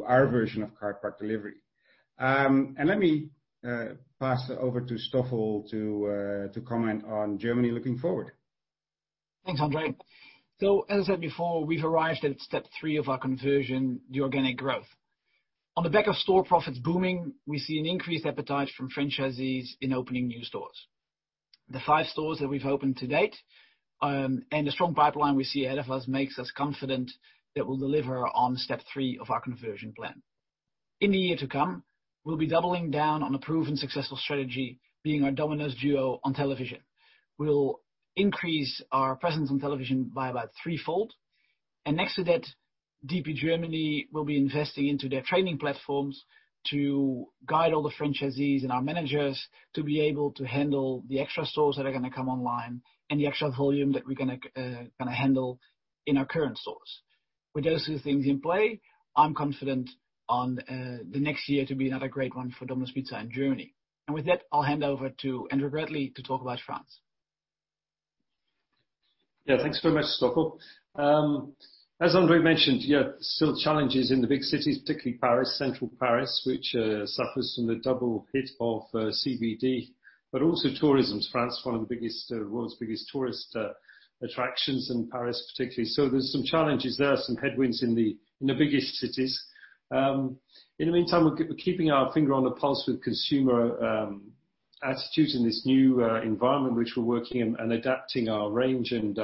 our version of Car Park Delivery. And let me pass over to Stoffel to comment on Germany looking forward. Thanks, André. So, as I said before, we've arrived at step three of our conversion, the organic growth. On the back of store profits booming, we see an increased appetite from franchisees in opening new stores. The five stores that we've opened to date, and the strong pipeline we see ahead of us makes us confident that we'll deliver on step three of our conversion plan. In the year to come, we'll be doubling down on a proven successful strategy, being our Domino's Duo on television. We'll increase our presence on television by about threefold. And next to that, DP Germany will be investing into their training platforms to guide all the franchisees and our managers to be able to handle the extra stores that are going to come online and the extra volume that we're going to handle in our current stores. With those two things in play, I'm confident on the next year to be another great one for Domino's Pizza in Germany, and with that, I'll hand over to Andrew Bradley to talk about France. Yeah, thanks very much, Stoffel. As André mentioned, yeah, still challenges in the big cities, particularly Paris, central Paris, which suffers from the double hit of CBD, but also tourism. France, one of the biggest, world's biggest tourist attractions and Paris particularly. So there's some challenges there, some headwinds in the biggest cities. In the meantime, we're keeping our finger on the pulse with consumer attitude in this new environment, which we're working and adapting our range and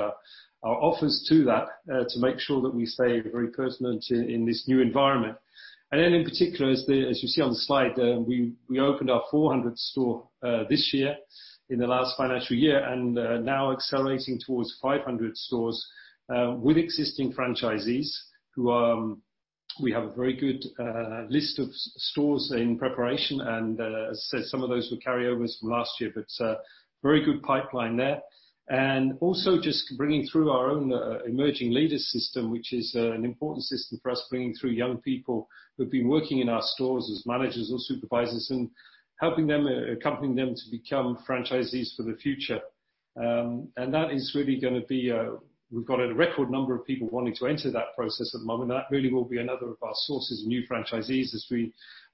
our offers to that, to make sure that we stay very pertinent in this new environment. And then in particular, as you see on the slide, we opened our 400th store this year in the last financial year and now accelerating towards 500 stores with existing franchisees who are, we have a very good list of stores in preparation. As I said, some of those were carryovers from last year, but very good pipeline there. Also just bringing through our own Emerging Leaders system, which is an important system for us, bringing through young people who've been working in our stores as managers or supervisors and helping them, accompanying them to become franchisees for the future. And that is really going to be. We've got a record number of people wanting to enter that process at the moment. That really will be another of our sources of new franchisees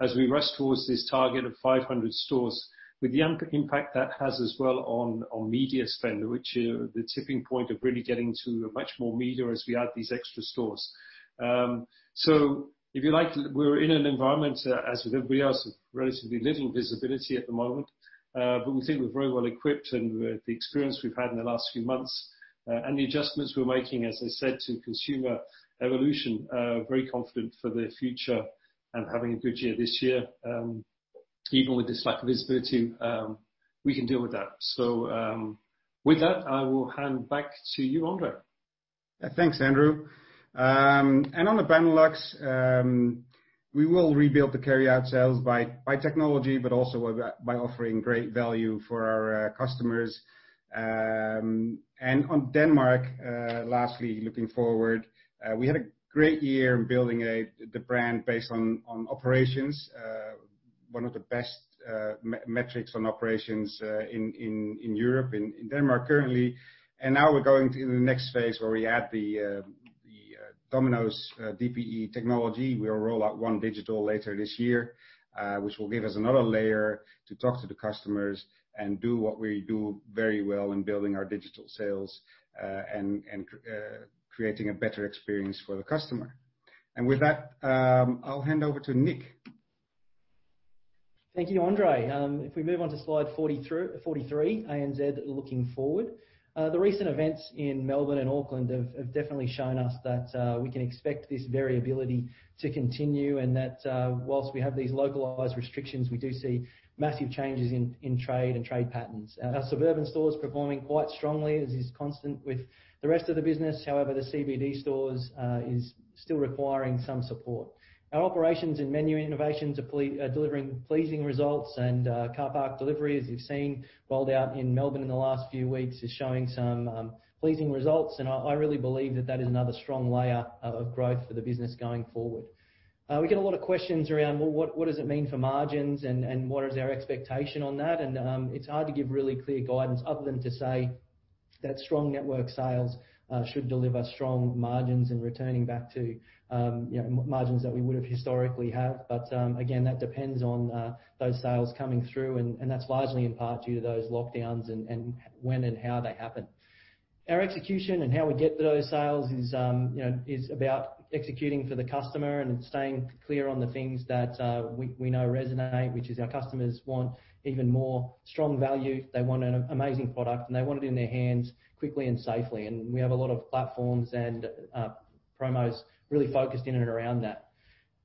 as we rush towards this target of 500 stores with the impact that has as well on media spend, which, the tipping point of really getting to a much more media as we add these extra stores. So if you like, we're in an environment, as with everybody else, of relatively little visibility at the moment. But we think we're very well equipped and with the experience we've had in the last few months, and the adjustments we're making, as I said, to consumer evolution, very confident for the future and having a good year this year. Even with this lack of visibility, we can deal with that. With that, I will hand back to you, André. Yeah, thanks, Andrew. On the Benelux, we will rebuild the carry-out sales by technology, but also by offering great value for our customers. On Denmark, lastly, looking forward, we had a great year in building the brand based on operations, one of the best metrics on operations in Europe, in Denmark currently. And now we're going to the next phase where we add the Domino's DPE technology. We'll roll out OneDigital later this year, which will give us another layer to talk to the customers and do what we do very well in building our digital sales, and creating a better experience for the customer. And with that, I'll hand over to Nick. Thank you, André. If we move on to slide 43, ANZ looking forward, the recent events in Melbourne and Auckland have definitely shown us that we can expect this variability to continue and that, while we have these localized restrictions, we do see massive changes in trade and trade patterns. Our suburban stores are performing quite strongly as is consistent with the rest of the business. However, the CBD stores is still requiring some support. Our operations and menu innovations are delivering pleasing results. Car Park Delivery, as you've seen rolled out in Melbourne in the last few weeks, is showing some pleasing results. I really believe that is another strong layer of growth for the business going forward. We get a lot of questions around, well, what does it mean for margins and what is our expectation on that? And, it's hard to give really clear guidance other than to say that strong network sales should deliver strong margins and returning back to, you know, margins that we would have historically have. But again, that depends on those sales coming through. And that's largely in part due to those lockdowns and when and how they happen. Our execution and how we get to those sales, you know, is about executing for the customer and staying clear on the things that we know resonate, which is our customers want even more strong value. They want an amazing product, and they want it in their hands quickly and safely. And we have a lot of platforms and promos really focused in and around that.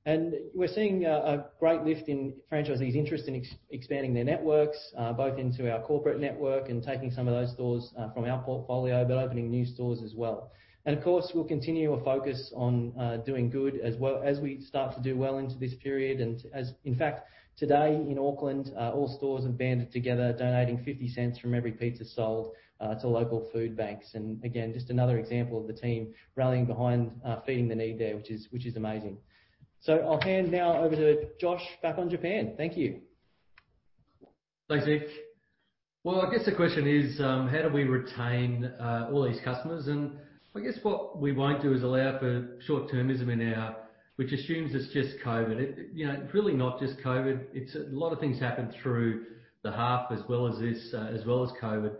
And we're seeing a great lift in franchisees' interest in expanding their networks, both into our corporate network and taking some of those stores from our portfolio, but opening new stores as well. And of course, we'll continue a focus on doing good as well as we start to do well into this period. And, in fact, today in Auckland, all stores have banded together, donating 50 cents from every pizza sold to local food banks. And again, just another example of the team rallying behind feeding the need there, which is amazing. So I'll hand now over to Josh back on Japan. Thank you. Thanks, Nick. I guess the question is, how do we retain all these customers? I guess what we won't do is allow for short-termism, which assumes it's just COVID. You know, it's really not just COVID. It's a lot of things happen through the half as well as this, as well as COVID.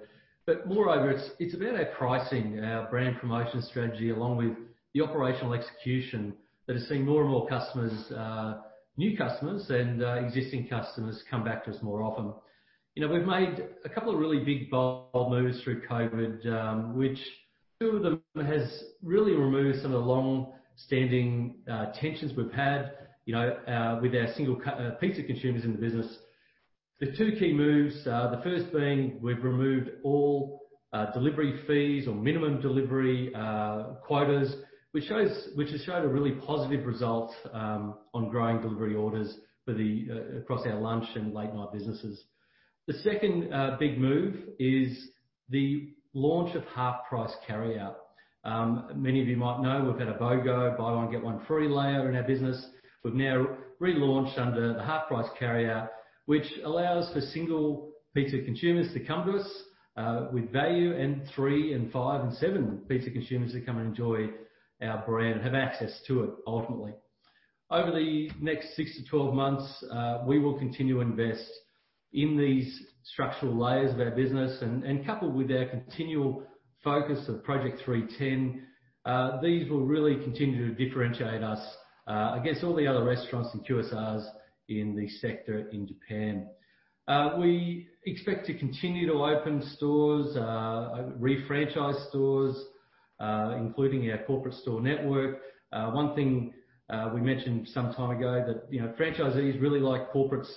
Moreover, it's about our pricing, our brand promotion strategy, along with the operational execution that is seeing more and more customers, new customers and existing customers come back to us more often. You know, we've made a couple of really big bold moves through COVID, which two of them has really removed some of the long-standing tensions we've had, you know, with our single cheese pizza consumers in the business. The two key moves, the first being we've removed all delivery fees or minimum delivery quotas, which has showed a really positive result on growing delivery orders across our lunch and late-night businesses. The second big move is the launch of Half-Price Carryout. Many of you might know we've had a BOGO, buy one get one free layer in our business. We've now relaunched under the Half-Price Carryout, which allows for single pizza consumers to come to us with value and three and five and seven pizza consumers to come and enjoy our brand and have access to it ultimately. Over the next six to 12 months, we will continue to invest in these structural layers of our business. And coupled with our continual focus of Project 3TEN, these will really continue to differentiate us against all the other restaurants and QSRs in the sector in Japan. We expect to continue to open stores, refranchise stores, including our corporate store network. One thing we mentioned some time ago that, you know, franchisees really like corporates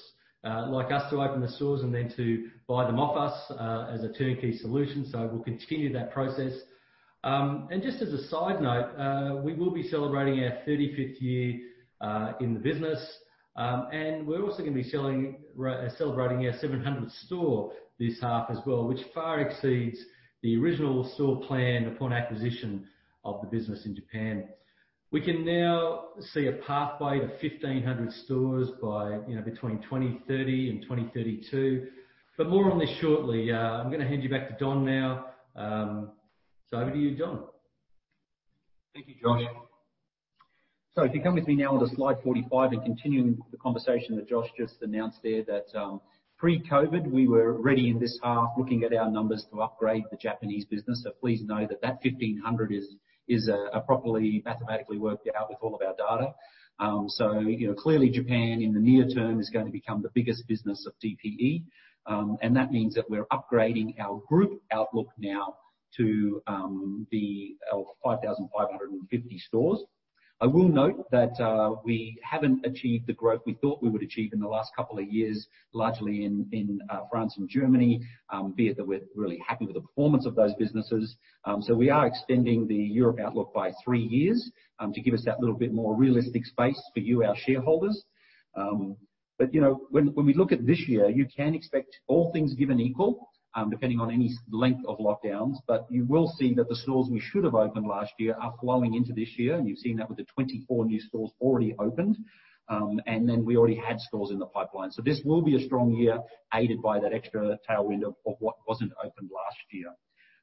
like us to open the stores and then to buy them off us as a turnkey solution. So we'll continue that process. And just as a side note, we will be celebrating our 35th year in the business. And we're also going to be celebrating our 700th store this half as well, which far exceeds the original store plan upon acquisition of the business in Japan. We can now see a pathway to 1,500 stores by, you know, between 2030 and 2032. But more on this shortly. I'm going to hand you back to Don now. So over to you, Don. Thank you, Josh. If you come with me now onto slide 45 and continuing the conversation that Josh just announced there, that pre-COVID, we were already in this half looking at our numbers to upgrade the Japanese business. Please know that that 1,500 stores is properly mathematically worked out with all of our data. You know, clearly Japan in the near term is going to become the biggest business of DPE. And that means that we're upgrading our group outlook now to the 5,550 stores. I will note that we haven't achieved the growth we thought we would achieve in the last couple of years, largely in France and Germany, be it that we're really happy with the performance of those businesses. We are extending the Europe outlook by three years to give us that little bit more realistic space for you, our shareholders. But, you know, when we look at this year, you can expect all things given equal, depending on any length of lockdowns. But you will see that the stores we should have opened last year are flowing into this year. And you've seen that with the 24 new stores already opened. And then we already had stores in the pipeline. So this will be a strong year aided by that extra tailwind of what wasn't opened last year.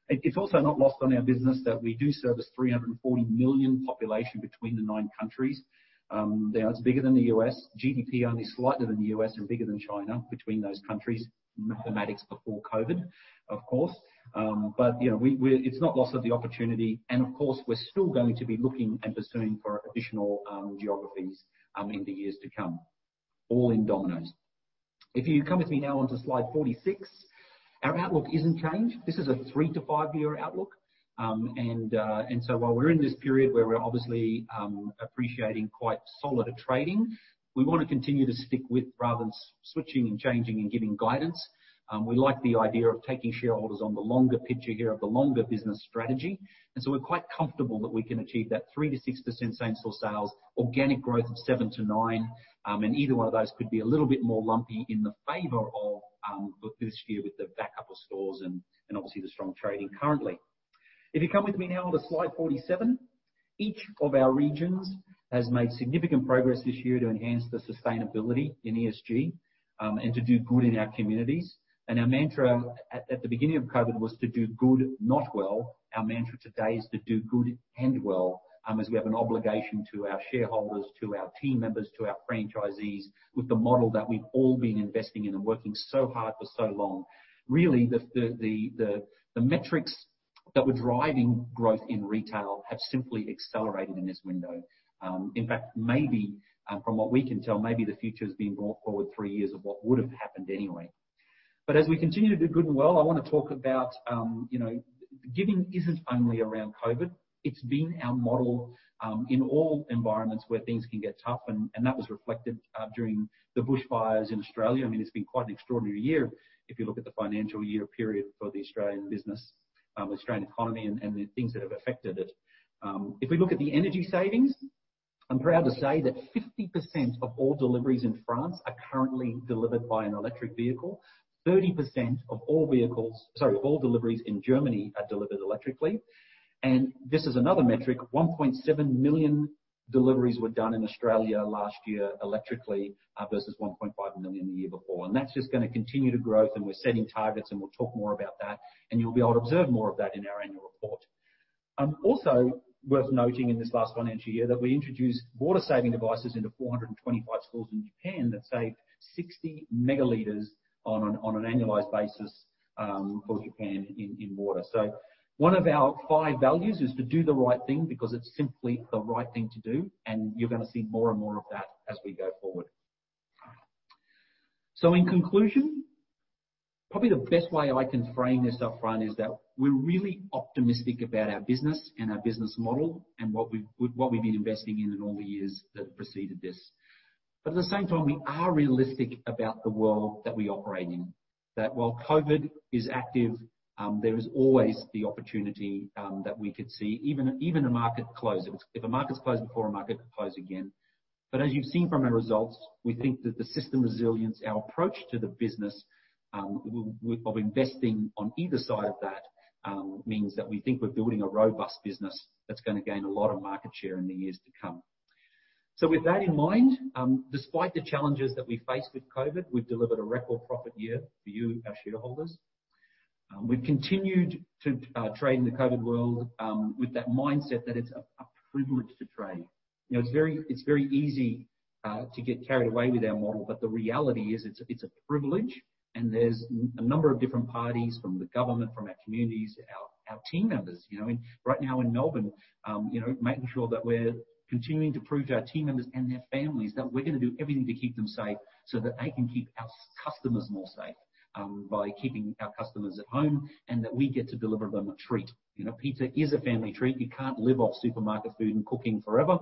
It's also not lost on our business that we do service 340 million population between the nine countries. You know, it's bigger than the U.S. GDP only slightly than the U.S. and bigger than China between those countries, mathematics before COVID, of course. But, you know, we're, it's not lost on the opportunity. Of course, we're still going to be looking and pursuing for additional geographies in the years to come, all in Domino's. If you come with me now onto slide 46, our outlook isn't changed. This is a three-to-five-year outlook. So while we're in this period where we're obviously experiencing quite solid trading, we want to continue to stick with rather than switching and changing and giving guidance. We like the idea of taking shareholders on the longer picture here of the longer business strategy. We're quite comfortable that we can achieve that 3%-6% same-store sales, organic growth of 7%-9%. Either one of those could be a little bit more lumpy in favor of this year with the backup of stores and obviously the strong trading currently. If you come with me now onto slide 47, each of our regions has made significant progress this year to enhance the sustainability in ESG, and to do good in our communities. And our mantra at the beginning of COVID was to do good, not well. Our mantra today is to do good and well, as we have an obligation to our shareholders, to our team members, to our franchisees with the model that we've all been investing in and working so hard for so long. Really, the metrics that were driving growth in retail have simply accelerated in this window. In fact, maybe, from what we can tell, maybe the future has been brought forward three years of what would have happened anyway. But as we continue to do good and well, I want to talk about, you know, giving isn't only around COVID. It's been our model, in all environments where things can get tough. And that was reflected during the bushfires in Australia. I mean, it's been quite an extraordinary year if you look at the financial year period for the Australian business, the Australian economy and the things that have affected it. If we look at the energy savings, I'm proud to say that 50% of all deliveries in France are currently delivered by an electric vehicle. 30% of all vehicles, sorry, all deliveries in Germany are delivered electrically. And this is another metric. 1.7 million deliveries were done in Australia last year electrically, versus 1.5 million the year before. And that's just going to continue to growth. And we're setting targets and we'll talk more about that. And you'll be able to observe more of that in our annual report. Also worth noting in this last financial year that we introduced water-saving devices into 425 schools in Japan that saved 60 megaliters on an annualized basis for Japan in water. So one of our five values is to do the right thing because it's simply the right thing to do. And you're going to see more and more of that as we go forward. So in conclusion, probably the best way I can frame this upfront is that we're really optimistic about our business and our business model and what we've been investing in in all the years that have preceded this. But at the same time, we are realistic about the world that we operate in, that while COVID is active, there is always the opportunity that we could see even a market close. If it's, if a market's closed before a market closes again. But as you've seen from our results, we think that the system resilience, our approach to the business, of investing on either side of that, means that we think we're building a robust business that's going to gain a lot of market share in the years to come. So with that in mind, despite the challenges that we faced with COVID, we've delivered a record profit year for you, our shareholders. We've continued to trade in the COVID world, with that mindset that it's a privilege to trade. You know, it's very easy to get carried away with our model. But the reality is it's a privilege. And there's a number of different parties from the government, from our communities, our team members, you know, and right now in Melbourne, you know, making sure that we're continuing to prove to our team members and their families that we're going to do everything to keep them safe so that they can keep our customers more safe, by keeping our customers at home and that we get to deliver them a treat. You know, pizza is a family treat. You can't live off supermarket food and cooking forever.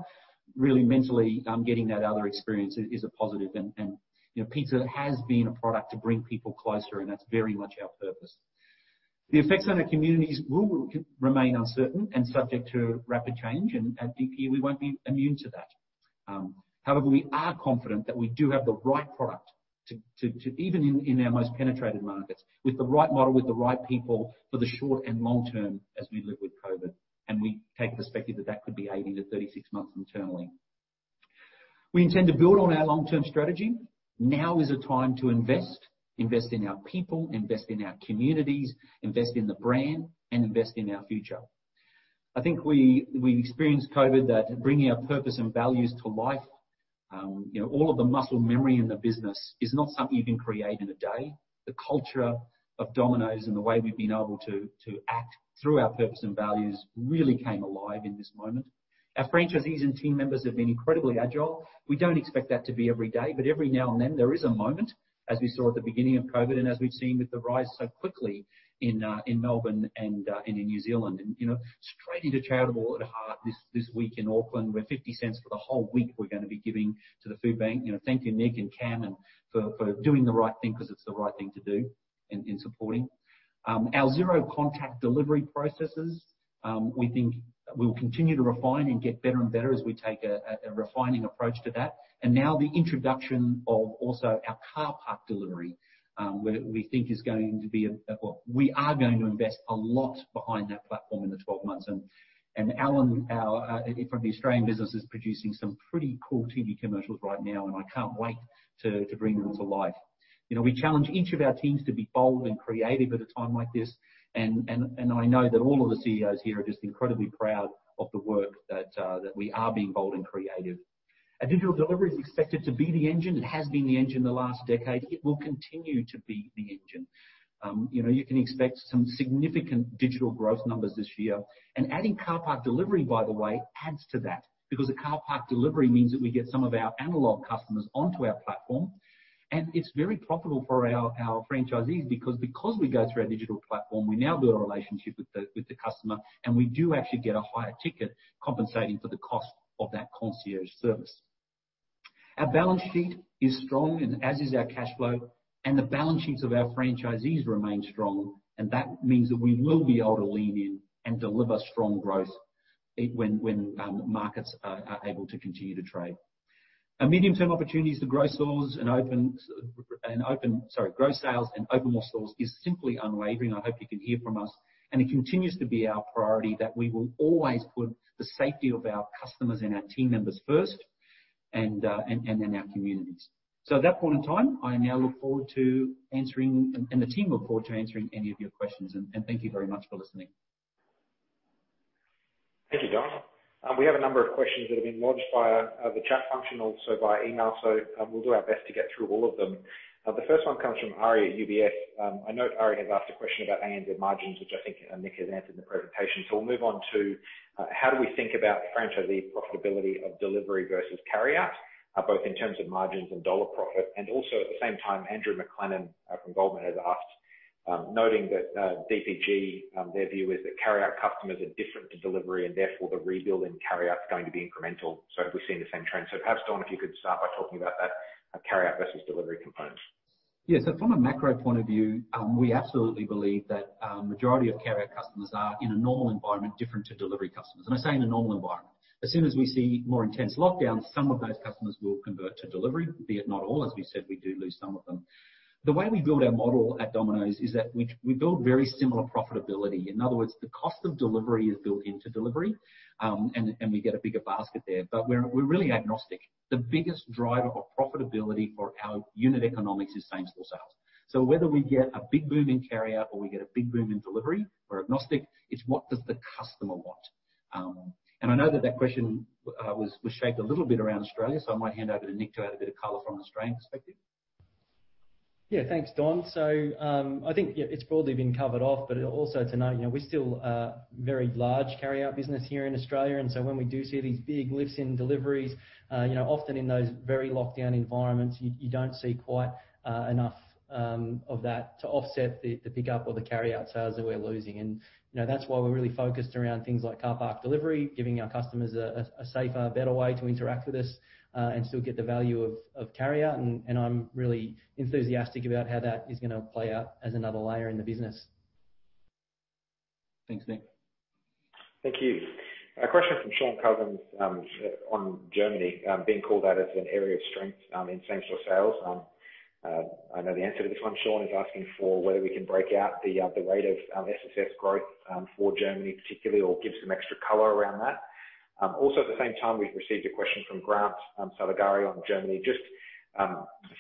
Really, mentally, getting that other experience is a positive. And, and, you know, pizza has been a product to bring people closer. And that's very much our purpose. The effects on our communities will remain uncertain and subject to rapid change. And we won't be immune to that. However, we are confident that we do have the right product to even in our most penetrated markets with the right model, with the right people for the short and long term as we live with COVID. We take perspective that could be 18 months-36 months internally. We intend to build on our long-term strategy. Now is a time to invest in our people, invest in our communities, invest in the brand, and invest in our future. I think we experienced COVID that bringing our purpose and values to life, you know, all of the muscle memory in the business is not something you can create in a day. The culture of Domino's and the way we've been able to act through our purpose and values really came alive in this moment. Our franchisees and team members have been incredibly agile. We don't expect that to be every day, but every now and then there is a moment as we saw at the beginning of COVID and as we've seen with the rise so quickly in Melbourne and in New Zealand. You know, straight into charitable at heart this week in Auckland, we're 50 cents for the whole week. We're going to be giving to the food bank. You know, thank you, Nick and Cam, for doing the right thing because it's the right thing to do and supporting our Zero Contact Delivery processes. We think we'll continue to refine and get better and better as we take a refining approach to that. And now the introduction of also our Car Park Delivery, where we think is going to be a well, we are going to invest a lot behind that platform in the 12 months. And Allan, our from the Australian business is producing some pretty cool TV commercials right now. And I can't wait to bring them to life. You know, we challenge each of our teams to be bold and creative at a time like this. And I know that all of the CEOs here are just incredibly proud of the work that we are being bold and creative. A digital delivery is expected to be the engine. It has been the engine the last decade. It will continue to be the engine. You know, you can expect some significant digital growth numbers this year. Adding Car Park Delivery, by the way, adds to that because a Car Park Delivery means that we get some of our analog customers onto our platform. And it's very profitable for our franchisees because we go through a digital platform. We now build a relationship with the customer. And we do actually get a higher ticket compensating for the cost of that concierge service. Our balance sheet is strong and as is our cash flow. And the balance sheets of our franchisees remain strong. And that means that we will be able to lean in and deliver strong growth when markets are able to continue to trade. A medium-term opportunity is to grow sales and open more stores is simply unwavering. I hope you can hear from us. And it continues to be our priority that we will always put the safety of our customers and our team members first and then our communities. So at that point in time, I now look forward to answering, and the team look forward to answering any of your questions. And thank you very much for listening. Thank you, Don. We have a number of questions that have been launched via the chat function, also via email. So we'll do our best to get through all of them. The first one comes from Aryan at UBS. I note Aryan has asked a question about ANZ margins, which I think Nick has answered in the presentation. So we'll move on to how do we think about franchisee profitability of delivery versus carryout, both in terms of margins and dollar profit? And also at the same time, Andrew McLennan from Goldman has asked, noting that DPG's view is that carryout customers are different to delivery and therefore the rebuild and carryout's going to be incremental. So we've seen the same trend. So perhaps, Don, if you could start by talking about that, carryout versus delivery component. Yeah, so from a macro point of view, we absolutely believe that the majority of carryout customers are in a normal environment different to delivery customers. And I say in a normal environment. As soon as we see more intense lockdowns, some of those customers will convert to delivery, but not all. As we said, we do lose some of them. The way we build our model at Domino's is that we build very similar profitability. In other words, the cost of delivery is built into delivery, and we get a bigger basket there. But we're really agnostic. The biggest driver of profitability for our unit economics is same-store sales. So whether we get a big boom in carryout or we get a big boom in delivery, we're agnostic. It's what does the customer want? And I know that question was shaped a little bit around Australia. So I might hand over to Nick to add a bit of color from an Australian perspective. Yeah. Thanks, Don. So, I think, yeah, it's broadly been covered off, but also to note, you know, we're still a very large carryout business here in Australia. And so when we do see these big lifts in deliveries, you know, often in those very lockdown environments, you don't see quite enough of that to offset the pickup or the carryout sales that we're losing. And, you know, that's why we're really focused around things like Car Park Delivery, giving our customers a safer, better way to interact with us, and still get the value of carryout. And I'm really enthusiastic about how that is going to play out as another layer in the business. Thanks, Nick. Thank you. A question from Shaun Cousins on Germany, being called out as an area of strength in same-store sales. I know the answer to this one, Shaun, is asking for whether we can break out the rate of SSS growth for Germany particularly, or give some extra color around that. Also at the same time, we've received a question from Grant Saligari on Germany, just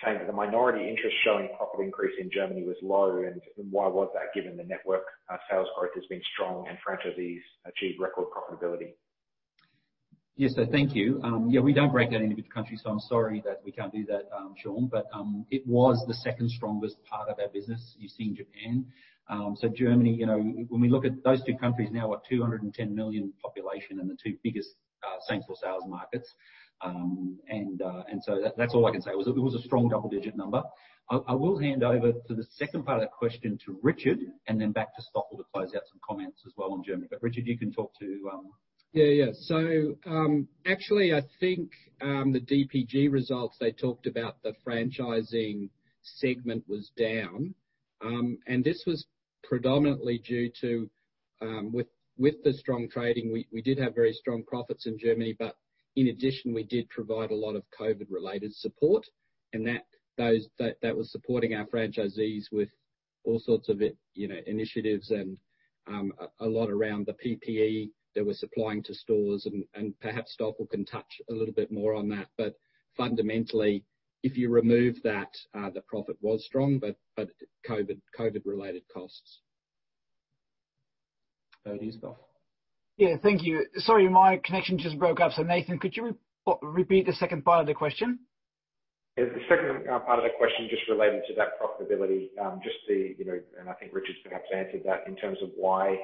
saying that the minority interest showing profit increase in Germany was low. And why was that given the network sales growth has been strong and franchisees achieved record profitability? Yes. So thank you. Yeah, we don't break that into the country. So I'm sorry that we can't do that, Shaun. But it was the second strongest part of our business, you see, in Japan. So Germany, you know, when we look at those two countries, now are 210 million population and the two biggest same-store sales markets. And, and so that, that's all I can say. It was a strong double-digit number. I, I will hand over to the second part of the question to Richard and then back to Stoffel to close out some comments as well on Germany. But Richard, you can talk to. Yeah. So, actually, I think the DPG results, they talked about the franchising segment was down. And this was predominantly due to with the strong trading, we did have very strong profits in Germany. But in addition, we did provide a lot of COVID-related support. And that was supporting our franchisees with all sorts of, you know, initiatives and a lot around the PPE that we're supplying to stores. And perhaps Stoffel can touch a little bit more on that. But fundamentally, if you remove that, the profit was strong, but COVID-related costs. Over to you, Stoffel. Yeah. Thank you. Sorry, my connection just broke up. So Nathan, could you repeat the second part of the question? Yeah. The second part of the question just related to that profitability, just the, you know, and I think Richard's perhaps answered that in terms of why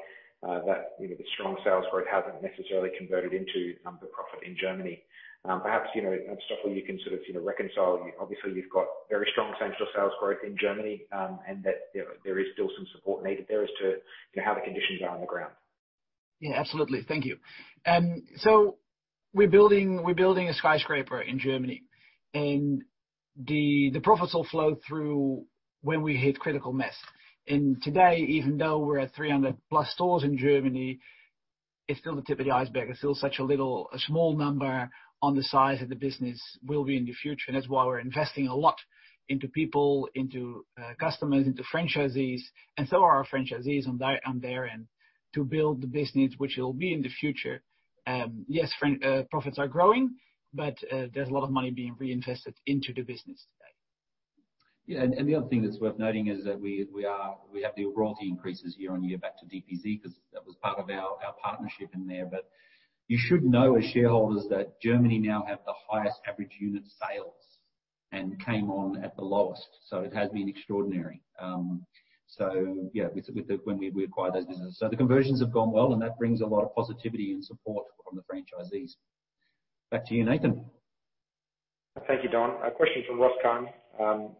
that, you know, the strong sales growth hasn't necessarily converted into the profit in Germany. Perhaps, you know, Stoffel, you can sort of, you know, reconcile. You obviously you've got very strong same-store sales growth in Germany, and that there is still some support needed there as to, you know, how the conditions are on the ground. Yeah. Absolutely. Thank you. So we're building, we're building a skyscraper in Germany. And the, the profits will flow through when we hit critical mass. And today, even though we're at 300+ stores in Germany, it's still the tip of the iceberg. It's still such a little, a small number on the size of the business will be in the future. And that's why we're investing a lot into people, into, customers, into franchisees. And so are our franchisees on their, on their end to build the business, which will be in the future. Yes, Fran, profits are growing, but, there's a lot of money being reinvested into the business today. Yeah, and the other thing that's worth noting is that we have the royalty increases year on year back to DPZ because that was part of our partnership in there. But you should know as shareholders that Germany now have the highest average unit sales and came on at the lowest, so it has been extraordinary, so yeah, with the when we acquired those businesses, so the conversions have gone well, and that brings a lot of positivity and support from the franchisees. Back to you, Nathan. Thank you, Don. A question from Ross.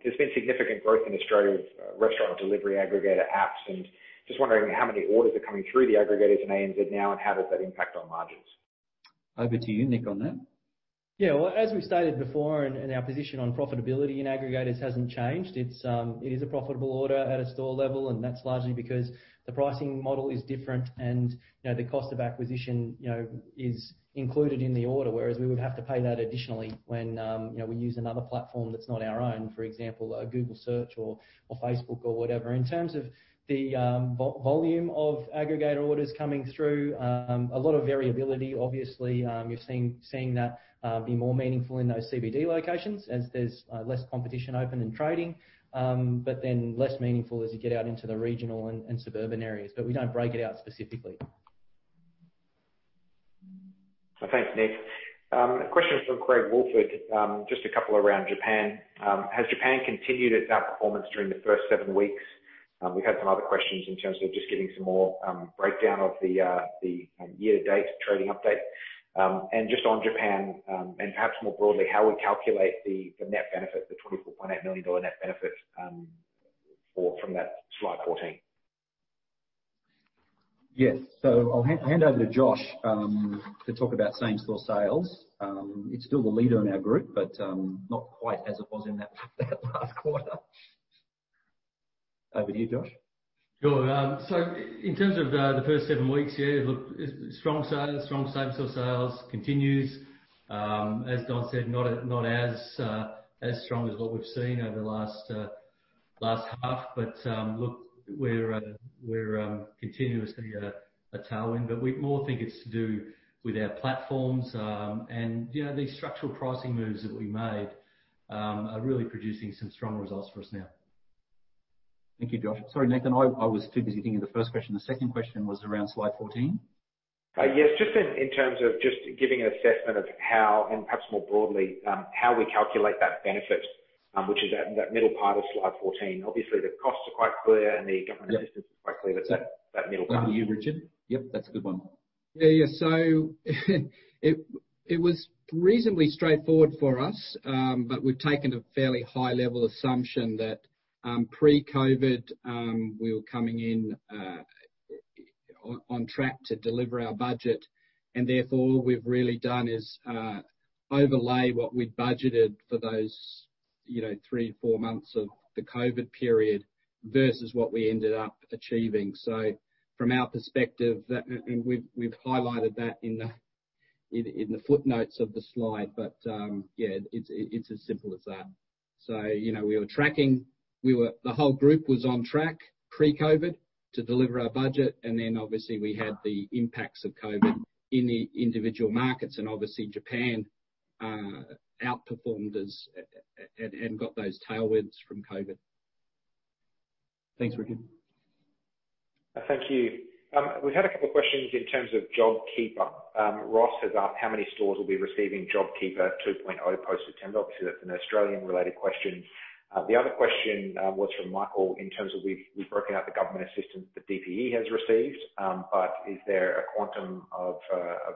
There's been significant growth in Australia with restaurant delivery aggregator apps. And just wondering how many orders are coming through the aggregators in ANZ now and how does that impact on margins? Over to you, Nick, on that. Yeah. Well, as we stated before, and our position on profitability in aggregators hasn't changed. It's, it is a profitable order at a store level. And that's largely because the pricing model is different. And, you know, the cost of acquisition, you know, is included in the order, whereas we would have to pay that additionally when, you know, we use another platform that's not our own, for example, Google Search or Facebook or whatever. In terms of the volume of aggregator orders coming through, a lot of variability, obviously. You've seen that be more meaningful in those CBD locations as there's less competition open and trading, but then less meaningful as you get out into the regional and suburban areas. But we don't break it out specifically. Okay. Thanks, Nick. A question from Craig Woolford, just a couple around Japan. Has Japan continued its outperformance during the first seven weeks? We've had some other questions in terms of just giving some more breakdown of the year-to-date trading update. And just on Japan, and perhaps more broadly, how we calculate the net benefit, the 24.8 million dollar net benefit, from that slide 14. Yes, so I'll hand over to Josh to talk about same-store sales. It's still the leader in our group, but not quite as it was in that last quarter. Over to you, Josh. Sure. So in terms of the first seven weeks, yeah, look, it's strong sales. Strong same-store sales continues. As Don said, not as strong as what we've seen over the last half. But look, we're continuously a tailwind. But we more think it's to do with our platforms. And you know, these structural pricing moves that we made are really producing some strong results for us now. Thank you, Josh. Sorry, Nathan. I was too busy thinking of the first question. The second question was around slide 14. Yes. Just in terms of just giving an assessment of how, and perhaps more broadly, how we calculate that benefit, which is that middle part of slide 14. Obviously, the costs are quite clear and the government assistance is quite clear. Yeah. But that, that middle part. Over to you, Richard. Yep. That's a good one. Yeah. Yeah. So it was reasonably straightforward for us, but we've taken a fairly high-level assumption that pre-COVID we were coming in on track to deliver our budget. And therefore, all we've really done is overlay what we'd budgeted for those, you know, three, four months of the COVID period versus what we ended up achieving. So from our perspective, that and we've highlighted that in the footnotes of the slide. But yeah, it's as simple as that. So you know, we were tracking. The whole group was on track pre-COVID to deliver our budget. And then obviously we had the impacts of COVID in the individual markets. And obviously Japan outperformed us and got those tailwinds from COVID. Thanks, Richard. Thank you. We've had a couple of questions in terms of JobKeeper. Ross has asked how many stores will be receiving JobKeeper 2.0 post-September. Obviously, that's an Australian-related question. The other question was from Michael in terms of we've broken out the government assistance that DPE has received. But is there a quantum of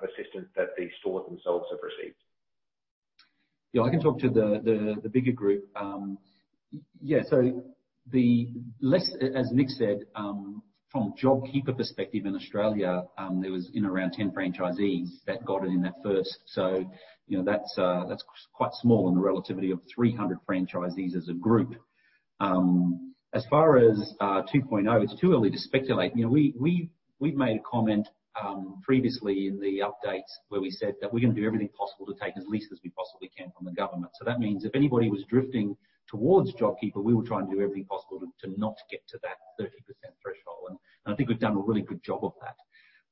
assistance that the stores themselves have received? Yeah. I can talk to the bigger group. Yeah. So, as Nick said, from JobKeeper perspective in Australia, there were around 10 franchisees that got it in that first. So, you know, that's quite small in the relative to 300 franchisees as a group. As far as 2.0, it's too early to speculate. You know, we, we've made a comment previously in the updates where we said that we're going to do everything possible to take as little as we possibly can from the government. So that means if anybody was drifting towards JobKeeper, we were trying to do everything possible to not get to that 30% threshold. And I think we've done a really good job of that.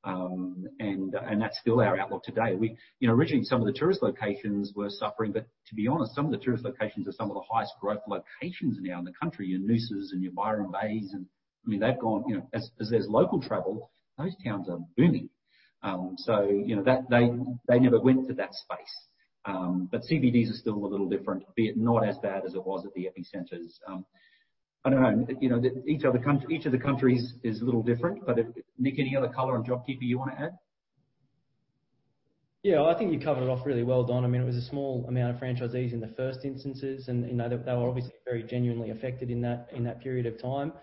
And that's still our outlook today. You know, originally, some of the tourist locations were suffering. But to be honest, some of the tourist locations are some of the highest growth locations now in the country. You know, Noosa's and Byron Bay and, I mean, they've gone, you know, as there's local travel, those towns are booming. So you know, they never went to that space. But CBDs are still a little different, but it's not as bad as it was at the epicenters. I don't know. You know, each other country, each of the countries is a little different. But, Nick, any other color on JobKeeper you want to add? Yeah. I think you covered it off really well, Don. I mean, it was a small amount of franchisees in the first instances. And, you know, they were obviously very genuinely affected in that period of time.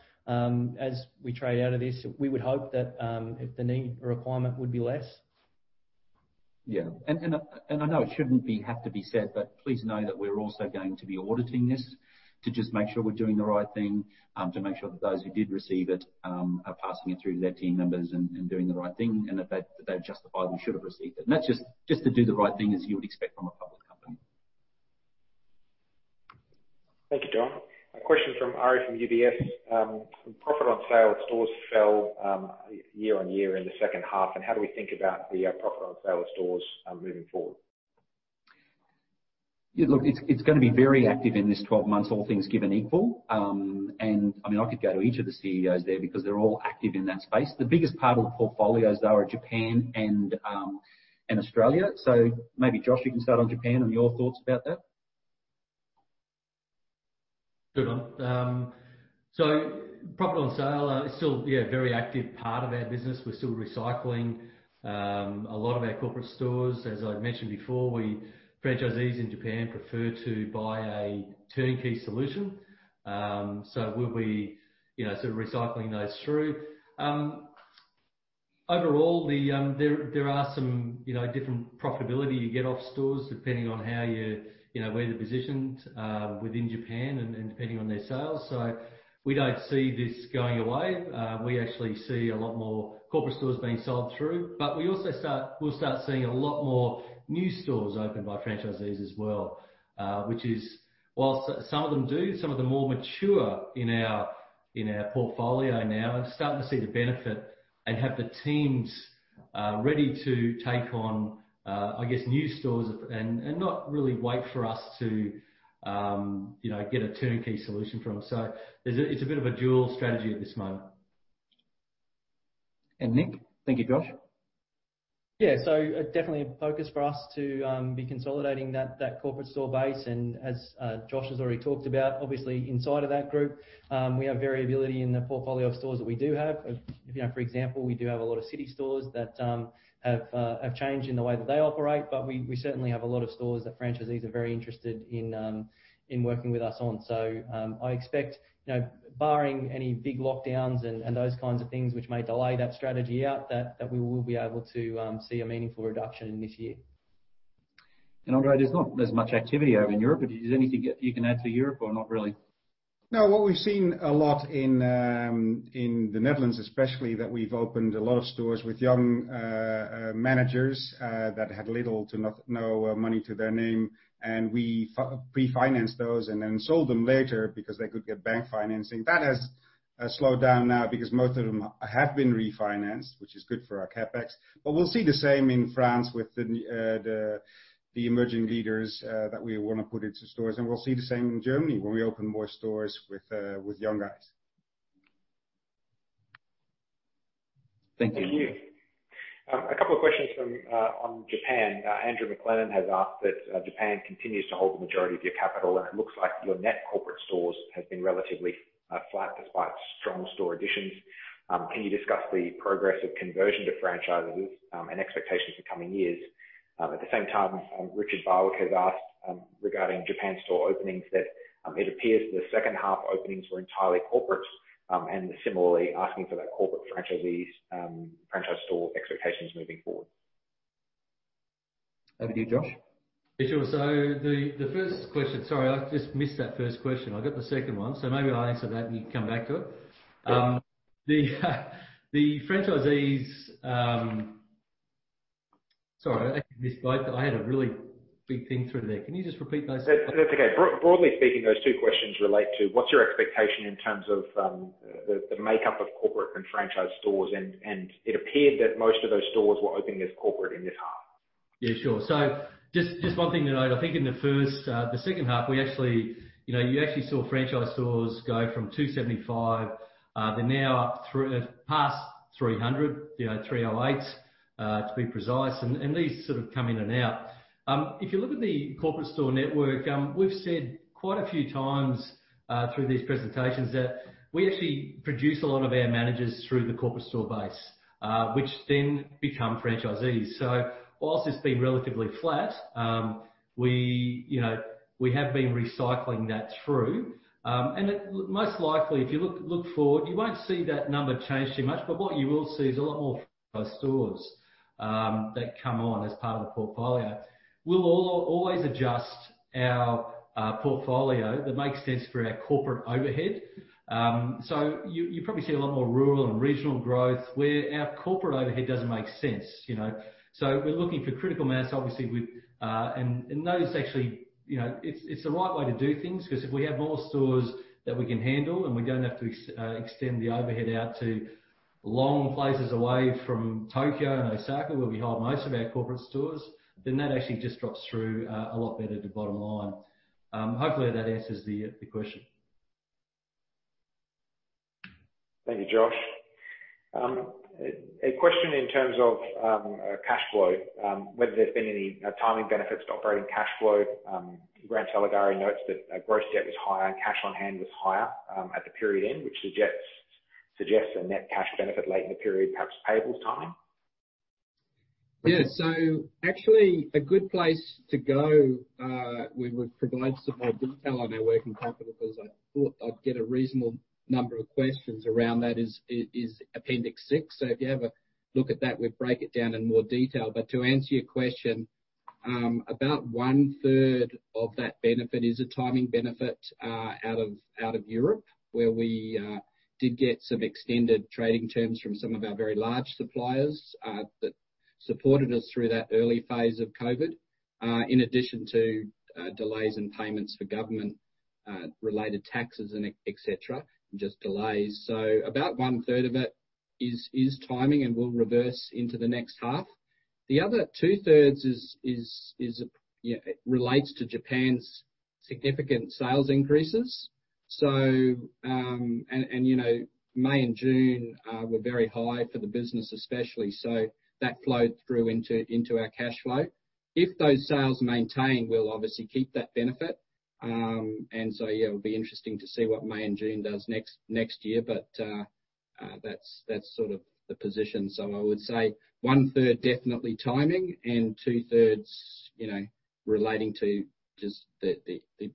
As we trade out of this, we would hope that, if the need or requirement would be less. Yeah. And I know it shouldn't have to be said, but please know that we're also going to be auditing this to just make sure we're doing the right thing, to make sure that those who did receive it are passing it through to their team members and doing the right thing and that they've justified we should have received it. That's just to do the right thing as you would expect from a public company. Thank you, Don. A question from Aryan from UBS. Profit on sale of stores fell year on year in the second half. And how do we think about the profit on sale of stores moving forward? Yeah. Look, it's, it's going to be very active in this 12 months, all things given equal, and I mean, I could go to each of the CEOs there because they're all active in that space. The biggest part of the portfolios, though, are Japan and, and Australia. So maybe Josh, you can start on Japan and your thoughts about that. Good one. So profit on sale is still, yeah, a very active part of our business. We're still recycling a lot of our corporate stores. As I mentioned before, we franchisees in Japan prefer to buy a turnkey solution. So we'll be, you know, sort of recycling those through. Overall, there are some, you know, different profitability you get off stores depending on how you're, you know, where you're positioned within Japan and depending on their sales. So we don't see this going away. We actually see a lot more corporate stores being sold through. But we also start, we'll start seeing a lot more new stores open by franchisees as well, which is, while some of them do, some of them more mature in our portfolio now, and starting to see the benefit and have the teams ready to take on, I guess, new stores and not really wait for us to, you know, get a turnkey solution from them. So it's a bit of a dual strategy at this moment. And Nick, thank you, Josh. Yeah. So definitely a focus for us to be consolidating that corporate store base. And as Josh has already talked about, obviously, inside of that group, we have variability in the portfolio of stores that we do have. You know, for example, we do have a lot of city stores that have changed in the way that they operate. But we certainly have a lot of stores that franchisees are very interested in working with us on. So I expect, you know, barring any big lockdowns and those kinds of things which may delay that strategy out, that we will be able to see a meaningful reduction in this year. And André, there's not as much activity over in Europe. But is there anything that you can add to Europe or not really? No. What we've seen a lot in the Netherlands, especially, that we've opened a lot of stores with young managers that had little to no money to their name. And we pre-financed those and then sold them later because they could get bank financing. That has slowed down now because most of them have been refinanced, which is good for our CapEx. But we'll see the same in France with the Emerging Leaders that we want to put into stores. And we'll see the same in Germany when we open more stores with young guys. Thank you. Thank you. A couple of questions from on Japan. Andrew McLennan has asked that Japan continues to hold the majority of your capital. And it looks like your net corporate stores has been relatively flat despite strong store additions. Can you discuss the progress of conversion to franchises, and expectations for coming years? At the same time, Richard Barwick has asked regarding Japan store openings that it appears the second half openings were entirely corporate, and similarly asking for that corporate franchisees, franchise store expectations moving forward. Over to you, Josh. Sure. So, the first question. Sorry, I just missed that first question. I got the second one. So maybe I'll answer that and you can come back to it. The franchisees. Sorry, I missed both. I had a really big thing through there. Can you just repeat those? That's okay. Broadly speaking, those two questions relate to what's your expectation in terms of the makeup of corporate and franchise stores? And it appeared that most of those stores were opening as corporate in this half. Yeah. Sure. So just one thing to note. I think in the second half, we actually, you know, you actually saw franchise stores go from 275 stores; they're now up past 300 stores, you know, 308 stores, to be precise. And these sort of come in and out. If you look at the corporate store network, we've said quite a few times, through these presentations, that we actually produce a lot of our managers through the corporate store base, which then become franchisees. So whilst it's been relatively flat, we, you know, we have been recycling that through. And it most likely, if you look forward, you won't see that number change too much. But what you will see is a lot more franchise stores that come on as part of the portfolio. We'll always adjust our portfolio that makes sense for our corporate overhead. So you probably see a lot more rural and regional growth where our corporate overhead doesn't make sense, you know. So we're looking for critical mass, obviously, with and those actually, you know, it's the right way to do things because if we have more stores that we can handle and we don't have to extend the overhead out to long places away from Tokyo and Osaka where we hold most of our corporate stores, then that actually just drops through a lot better at the bottom line. Hopefully, that answers the question. Thank you, Josh. A question in terms of cash flow, whether there's been any timing benefits to operating cash flow. Grant Saligari notes that gross debt was higher and cash on hand was higher at the period end, which suggests a net cash benefit late in the period, perhaps payables timing. Yeah. So actually, a good place to go, we would provide some more detail on our working capital because I thought I'd get a reasonable number of questions around that is Appendix 6. So if you have a look at that, we'd break it down in more detail. But to answer your question, about one-third of that benefit is a timing benefit, out of Europe where we did get some extended trading terms from some of our very large suppliers, that supported us through that early phase of COVID, in addition to delays in payments for government related taxes and etc., just delays. So about one-third of it is timing and will reverse into the next half. The other two-thirds is relates to Japan's significant sales increases. So and you know, May and June were very high for the business especially. So that flowed through into our cash flow. If those sales maintain, we'll obviously keep that benefit. And so, yeah, it'll be interesting to see what May and June does next year. But that's sort of the position. So I would say 1/3 d definitely timing and 2/3, you know, relating to just the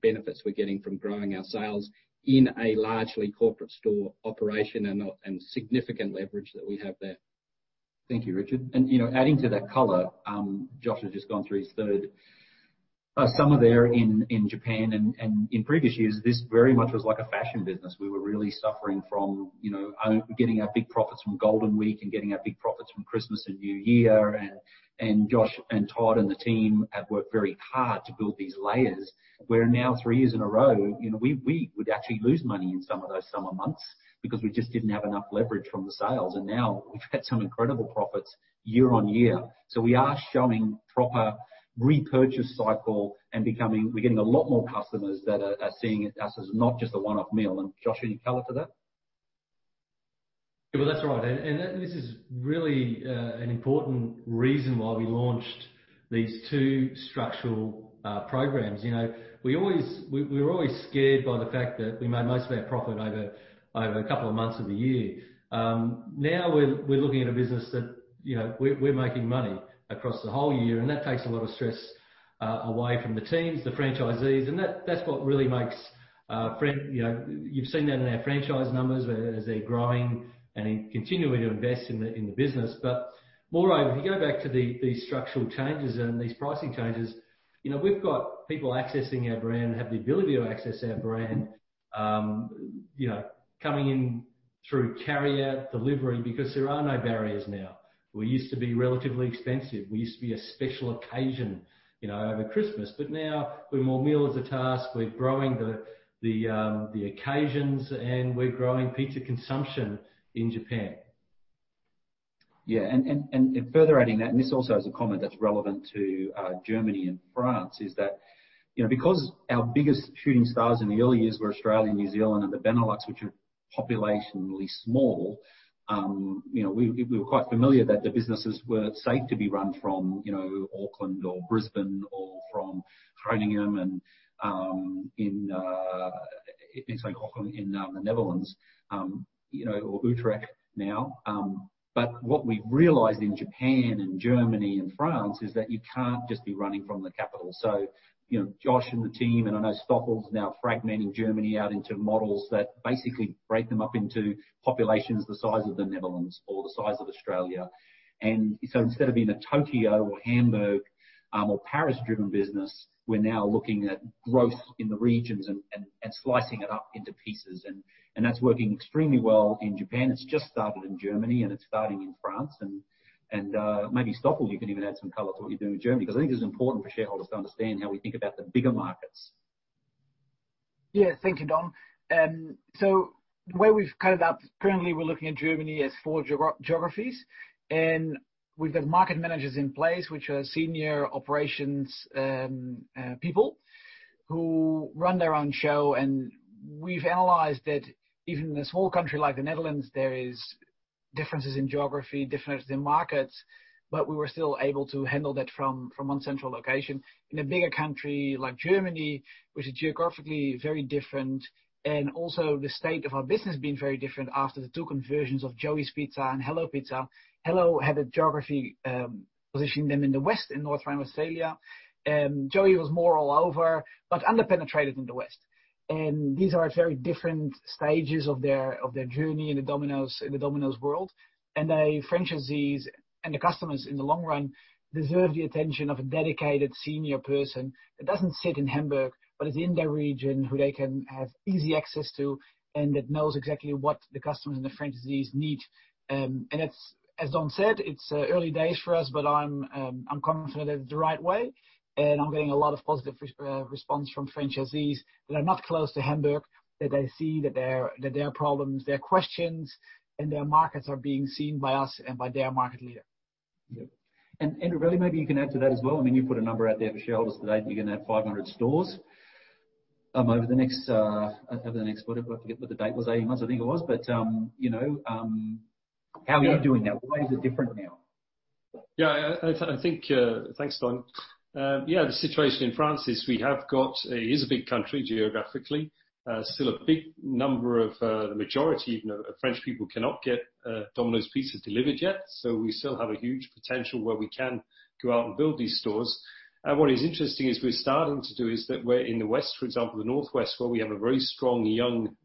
benefits we're getting from growing our sales in a largely corporate store operation and significant leverage that we have there. Thank you, Richard. And, you know, adding to that color, Josh has just gone through his third summer there in Japan. And in previous years, this very much was like a fashion business. We were really suffering from, you know, oh, getting our big profits from Golden Week and getting our big profits from Christmas and New Year. And Josh and Todd and the team have worked very hard to build these layers where now, three years in a row, you know, we would actually lose money in some of those summer months because we just didn't have enough leverage from the sales. And now we've had some incredible profits year on year. So we are showing proper repurchase cycle and becoming, we're getting a lot more customers that are seeing it as not just a one-off meal. And Josh, any color to that? Yeah. Well, that's right. And this is really an important reason why we launched these two structural programs. You know, we always were always scared by the fact that we made most of our profit over a couple of months of the year. Now we're looking at a business that, you know, we're making money across the whole year. And that takes a lot of stress away from the teams, the franchisees. And that's what really makes franchisees, you know, you've seen that in our franchise numbers whereas they're growing and continuing to invest in the business. But moreover, if you go back to the structural changes and these pricing changes, you know, we've got people accessing our brand, have the ability to access our brand, you know, coming in through carryout delivery because there are no barriers now. We used to be relatively expensive. We used to be a special occasion, you know, over Christmas. But now we're more meal as a task. We're growing the occasions and we're growing pizza consumption in Japan. Yeah. Further adding that, this also is a comment that's relevant to Germany and France. It is that, you know, because our biggest shooting stars in the early years were Australia, New Zealand, and the Benelux, which are populationally small, you know, we were quite familiar that the businesses were safe to be run from, you know, Auckland or Brisbane or from Groningen. And in, it's like Auckland in the Netherlands, you know, or Utrecht now. But what we've realized in Japan and Germany and France is that you can't just be running from the capital. So, you know, Josh and the team, and I know Stoffel's now fragmenting Germany out into models that basically break them up into populations the size of the Netherlands or the size of Australia. And so instead of being a Tokyo or Hamburg, or Paris-driven business, we're now looking at growth in the regions and slicing it up into pieces. And that's working extremely well in Japan. It's just started in Germany and it's starting in France. And maybe Stoffel, you can even add some color to what you're doing in Germany because I think it's important for shareholders to understand how we think about the bigger markets. Yeah. Thank you, Don. So the way we've kind of approach currently, we're looking at Germany as four geographies. And we've got market managers in place, which are senior operations people who run their own show. And we've analyzed that even in a small country like the Netherlands, there is differences in geography, differences in markets. But we were still able to handle that from one central location. In a bigger country like Germany, which is geographically very different and also the state of our business being very different after the two conversions of Joey's Pizza and Hallo Pizza, Hallo had a geography, positioning them in the west in North Rhine-Westphalia. Joey was more all over but underpenetrated in the west. And these are at very different stages of their journey in the Domino's world. The franchisees and the customers in the long run deserve the attention of a dedicated senior person that doesn't sit in Hamburg but is in their region who they can have easy access to and that knows exactly what the customers and the franchisees need. That's, as Don said, it's early days for us, but I'm confident that it's the right way. I'm getting a lot of positive response from franchisees that are not close to Hamburg that they see that their problems, their questions, and their markets are being seen by us and by their market leader. Yeah. And, Andrew, really, maybe you can add to that as well. I mean, you put a number out there for shareholders today. You're going to have 500 stores over the next, over the next whatever. I forget what the date was, eight months, I think it was. But, you know, how are you doing that? Why is it different now? Yeah. I think, thanks, Don. Yeah, the situation in France is we have got is a big country geographically, still a big number of, the majority even of French people cannot get Domino's Pizza delivered yet. So we still have a huge potential where we can go out and build these stores. What is interesting is we're starting to do is that we're in the west, for example, the northwest where we have a very strong young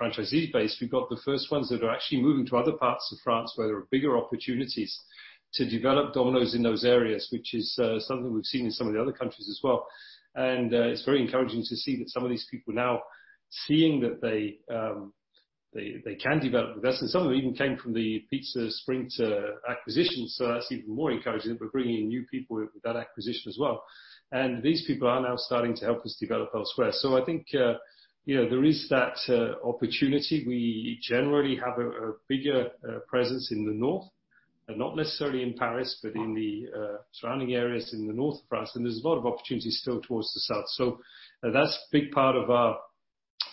franchisee base. We've got the first ones that are actually moving to other parts of France where there are bigger opportunities to develop Domino's in those areas, which is something we've seen in some of the other countries as well. It's very encouraging to see that some of these people now seeing that they can develop with us. And some of them even came from the Pizza Sprint acquisition. So that's even more encouraging that we're bringing in new people with that acquisition as well. And these people are now starting to help us develop elsewhere. So I think, you know, there is that opportunity. We generally have a bigger presence in the north, not necessarily in Paris, but in the surrounding areas in the north of France. And there's a lot of opportunity still towards the south. So that's a big part of our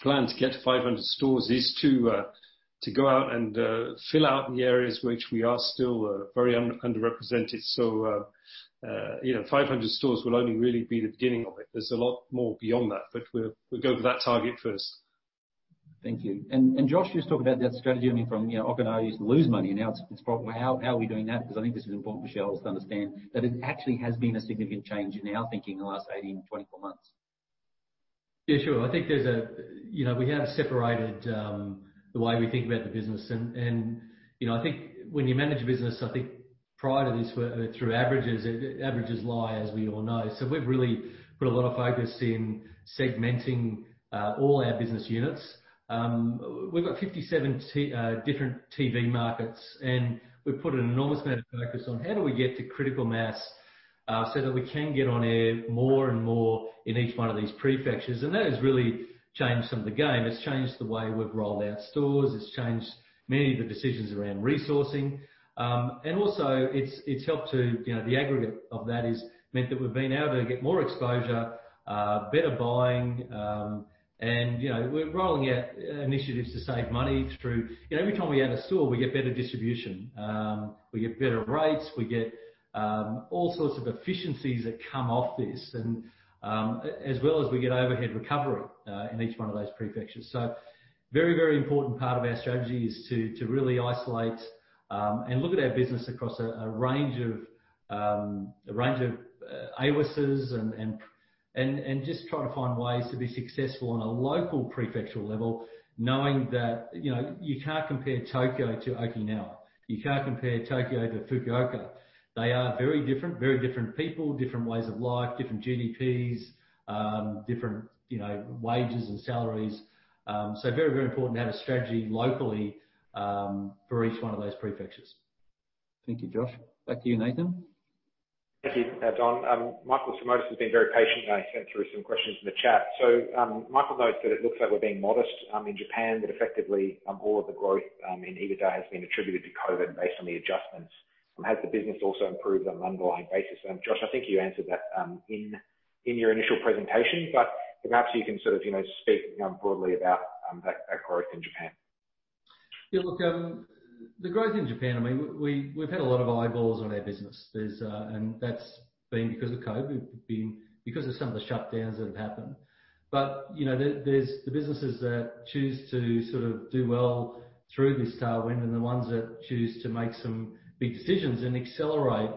plan to get 500 stores is to go out and fill out the areas which we are still very underrepresented. So, you know, 500 stores will only really be the beginning of it. There's a lot more beyond that, but we'll go for that target first. Thank you. And, Josh, you just talked about that strategy, I mean, from, you know, Okinawa and I used to lose money. And now it's probably how are we doing that? Because I think this is important for shareholders to understand that it actually has been a significant change in our thinking in the last 18 months-24 months. Yeah. Sure. I think there's a, you know, we have separated the way we think about the business. And, you know, I think when you manage a business, I think prior to this, we're through averages. Averages lie, as we all know. So we've really put a lot of focus in segmenting all our business units. We've got 57 different TV markets. And we've put an enormous amount of focus on how do we get to critical mass, so that we can get on air more and more in each one of these prefectures. And that has really changed some of the game. It's changed the way we've rolled out stores. It's changed many of the decisions around resourcing. And also it's helped to, you know, the aggregate of that has meant that we've been able to get more exposure, better buying. You know, we're rolling out initiatives to save money through, you know, every time we add a store, we get better distribution. We get better rates. We get all sorts of efficiencies that come off this. And as well as we get overhead recovery in each one of those prefectures. A very important part of our strategy is to really isolate and look at our business across a range of areas and just try to find ways to be successful on a local prefectural level, knowing that, you know, you can't compare Tokyo to Okinawa. You can't compare Tokyo to Fukuoka. They are very different, very different people, different ways of life, different GDPs, different, you know, wages and salaries. It is very important to have a strategy locally for each one of those prefectures. Thank you, Josh. Back to you, Nathan. Thank you, Don. Michael Simotas has been very patient today. He sent through some questions in the chat. So, Michael notes that it looks like we're being modest in Japan, but effectively, all of the growth in EBITDA has been attributed to COVID based on the adjustments. Has the business also improved on an underlying basis? And Josh, I think you answered that in your initial presentation, but perhaps you can sort of, you know, speak broadly about that growth in Japan. Yeah. Look, the growth in Japan, I mean, we've had a lot of eyeballs on our business. And that's been because of COVID, because of some of the shutdowns that have happened. But, you know, there's the businesses that choose to sort of do well through this tailwind and the ones that choose to make some big decisions and accelerate,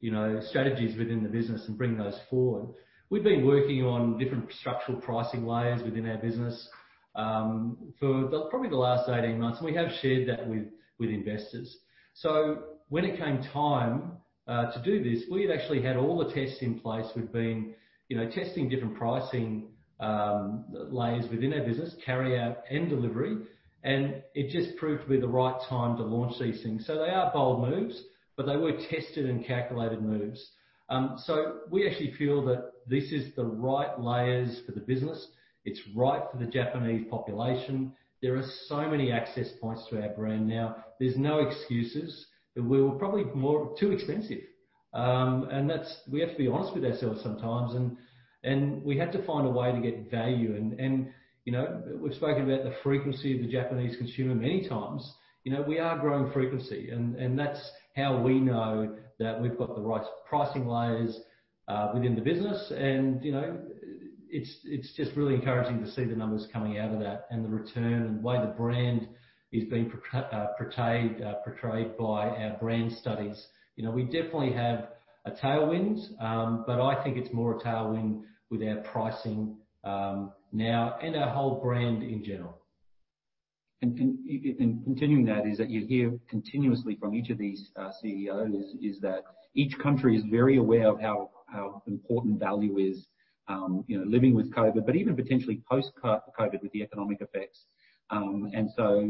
you know, strategies within the business and bring those forward. We've been working on different structural pricing layers within our business for probably the last 18 months. And we have shared that with investors. So when it came time to do this, we had actually had all the tests in place. We'd been, you know, testing different pricing layers within our business, carryout and delivery. And it just proved to be the right time to launch these things. So they are bold moves, but they were tested and calculated moves. We actually feel that this is the right layers for the business. It's right for the Japanese population. There are so many access points to our brand now. There's no excuses. We were probably more too expensive, and that's why we have to be honest with ourselves sometimes. And we had to find a way to get value. And you know, we've spoken about the frequency of the Japanese consumer many times. You know, we are growing frequency. And that's how we know that we've got the right pricing layers within the business. And you know, it's just really encouraging to see the numbers coming out of that and the return and the way the brand is being portrayed by our brand studies. You know, we definitely have a tailwind, but I think it's more a tailwind with our pricing, now and our whole brand in general. Continuing that is that you hear continuously from each of these CEOs is that each country is very aware of how important value is, you know, living with COVID, but even potentially post-COVID with the economic effects.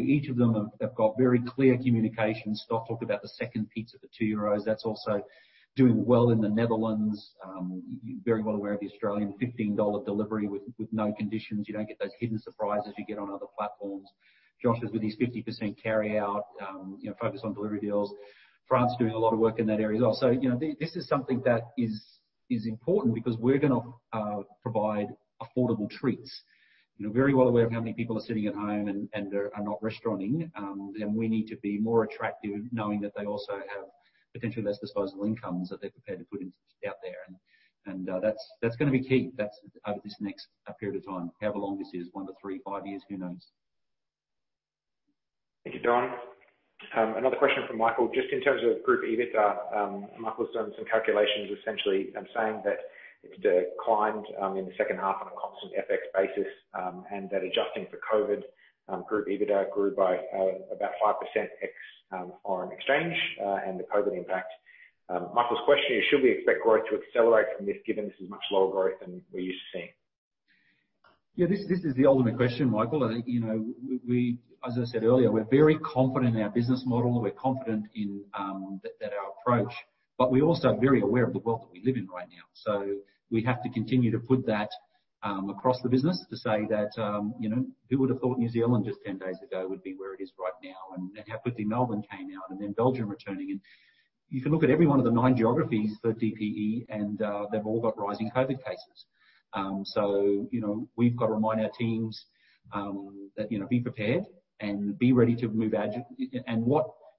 Each of them have got very clear communications. Stoffel talked about the second pizza for 2 euros. That's also doing well in the Netherlands. Very well aware of the Australian 15 Australian dollars delivery with no conditions. You don't get those hidden surprises you get on other platforms. Josh is with these 50% carryout, you know, focus on delivery deals. France is doing a lot of work in that area as well. This is something that is important because we're going to provide affordable treats. You know, very well aware of how many people are sitting at home and are not restauranting. And we need to be more attractive knowing that they also have potentially less disposable incomes that they're prepared to put in out there. And that's going to be key. That's over this next period of time, however long this is, one to three, five years, who knows? Thank you, Don. Another question from Michael. Just in terms of group EBITDA, Michael's done some calculations essentially and saying that it's declined, in the second half on a constant FX basis, and that adjusting for COVID, group EBITDA grew by, about 5% ex, foreign exchange, and the COVID impact. Michael's question is, should we expect growth to accelerate from this given this is much lower growth than we're used to seeing? Yeah. This is the ultimate question, Michael. I think, you know, we, as I said earlier, we're very confident in our business model. We're confident in that our approach, but we're also very aware of the world that we live in right now, so we have to continue to put that across the business to say that, you know, who would have thought New Zealand just 10 days ago would be where it is right now and how quickly Melbourne came out and then Belgium returning, and you can look at every one of the nine geographies for DPE, and they've all got rising COVID cases, so you know, we've got to remind our teams that, you know, be prepared and be ready to move agile.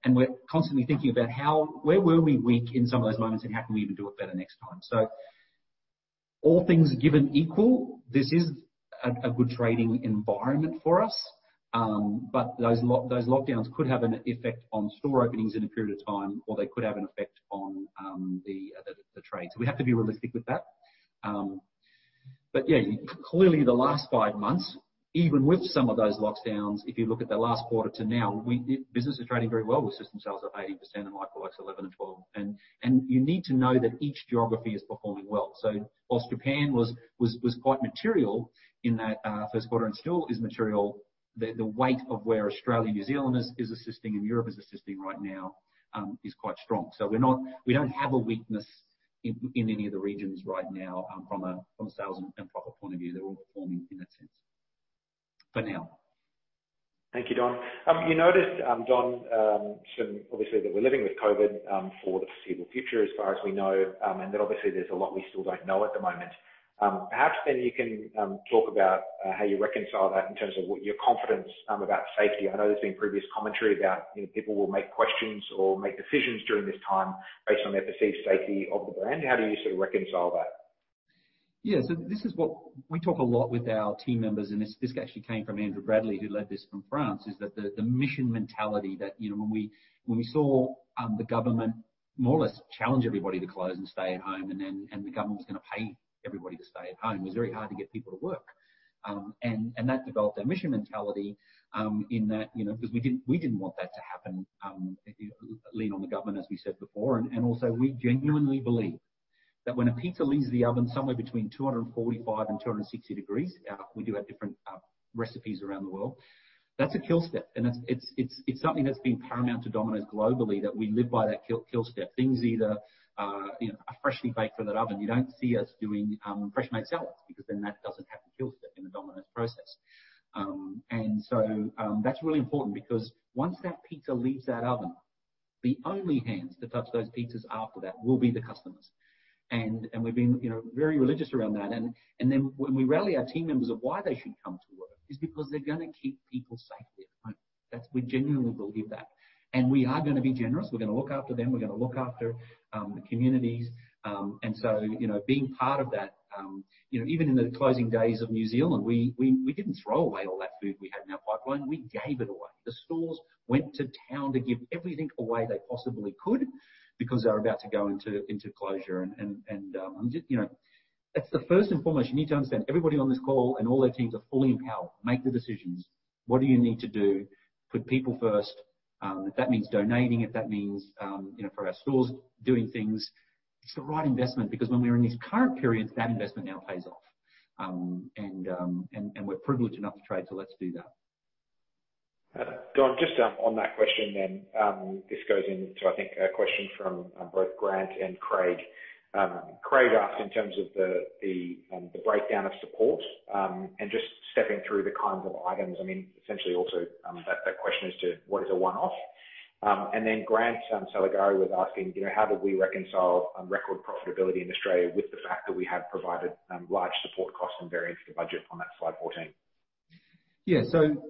And we're constantly thinking about how where were we weak in some of those moments and how can we even do it better next time. So all things given equal, this is a good trading environment for us. But those lockdowns could have an effect on store openings in a period of time, or they could have an effect on the trade. So we have to be realistic with that. But yeah, clearly the last five months, even with some of those lockdowns, if you look at the last quarter to now, business is trading very well. We've seen some sales of 80% and likewise 11% and 12%. And you need to know that each geography is performing well. So whilst Japan was quite material in that first quarter and still is material, the weight of where Australia, New Zealand is assisting and Europe is assisting right now is quite strong. So we're not, we don't have a weakness in any of the regions right now, from a sales and profit point of view. They're all performing in that sense. But now. Thank you, Don. You noticed, Don, some, obviously, that we're living with COVID for the foreseeable future as far as we know, and that obviously there's a lot we still don't know at the moment. Perhaps then you can talk about how you reconcile that in terms of what your confidence about safety. I know there's been previous commentary about, you know, people will make questions or make decisions during this time based on their perceived safety of the brand. How do you sort of reconcile that? Yeah. So this is what we talk a lot with our team members. And this, this actually came from Andrew Bradley, who led this from France, is that the, the mission mentality that, you know, when we, when we saw the government more or less challenge everybody to close and stay at home, and then, and the government was going to pay everybody to stay at home, it was very hard to get people to work. And, and that developed our mission mentality, in that, you know, because we didn't, we didn't want that to happen, lean on the government, as we said before. And, and also we genuinely believe that when a pizza leaves the oven somewhere between 245 degrees and 260 degrees, we do have different recipes around the world, that's a kill step. That's, it's something that's been paramount to Domino's globally that we live by that kill step. Things, you know, are freshly baked from the oven. You don't see us doing fresh-made salads because then that doesn't have the kill step in the Domino's process. So, that's really important because once that pizza leaves that oven, the only hands to touch those pizzas after that will be the customers. We've been, you know, very religious around that. Then when we rally our team members of why they should come to work is because they're going to keep people safely at home. That's. We genuinely believe that. We are going to be generous. We're going to look after them. We're going to look after the communities. And so, you know, being part of that, you know, even in the closing days of New Zealand, we didn't throw away all that food we had in our pipeline. We gave it away. The stores went to town to give everything away they possibly could because they were about to go into closure. And, you know, that's the first and foremost. You need to understand everybody on this call and all their teams are fully empowered. Make the decisions. What do you need to do? Put people first. If that means donating, if that means, you know, for our stores doing things, it's the right investment because when we're in these current periods, that investment now pays off. And we're privileged enough to trade so let's do that. Don, just on that question then, this goes into, I think, a question from both Grant and Craig. Craig asked in terms of the breakdown of support, and just stepping through the kinds of items. I mean, essentially also, that question as to what is a one-off. And then Grant Saligari was asking, you know, how did we reconcile record profitability in Australia with the fact that we had provided large support costs and variance to budget on that slide 14? Yeah. So,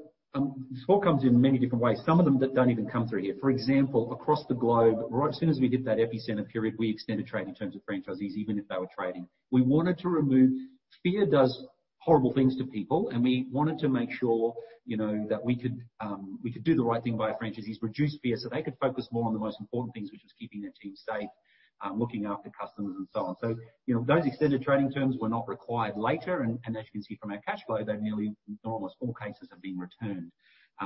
support comes in many different ways. Some of them that don't even come through here. For example, across the globe, right as soon as we hit that epicenter period, we extended trade in terms of franchisees, even if they were trading. We wanted to remove fear. Fear does horrible things to people. And we wanted to make sure, you know, that we could do the right thing by our franchisees, reduce fear so they could focus more on the most important things, which was keeping their team safe, looking after customers and so on. So, you know, those extended trading terms were not required later. And as you can see from our cash flow, they've nearly, in almost all cases, been returned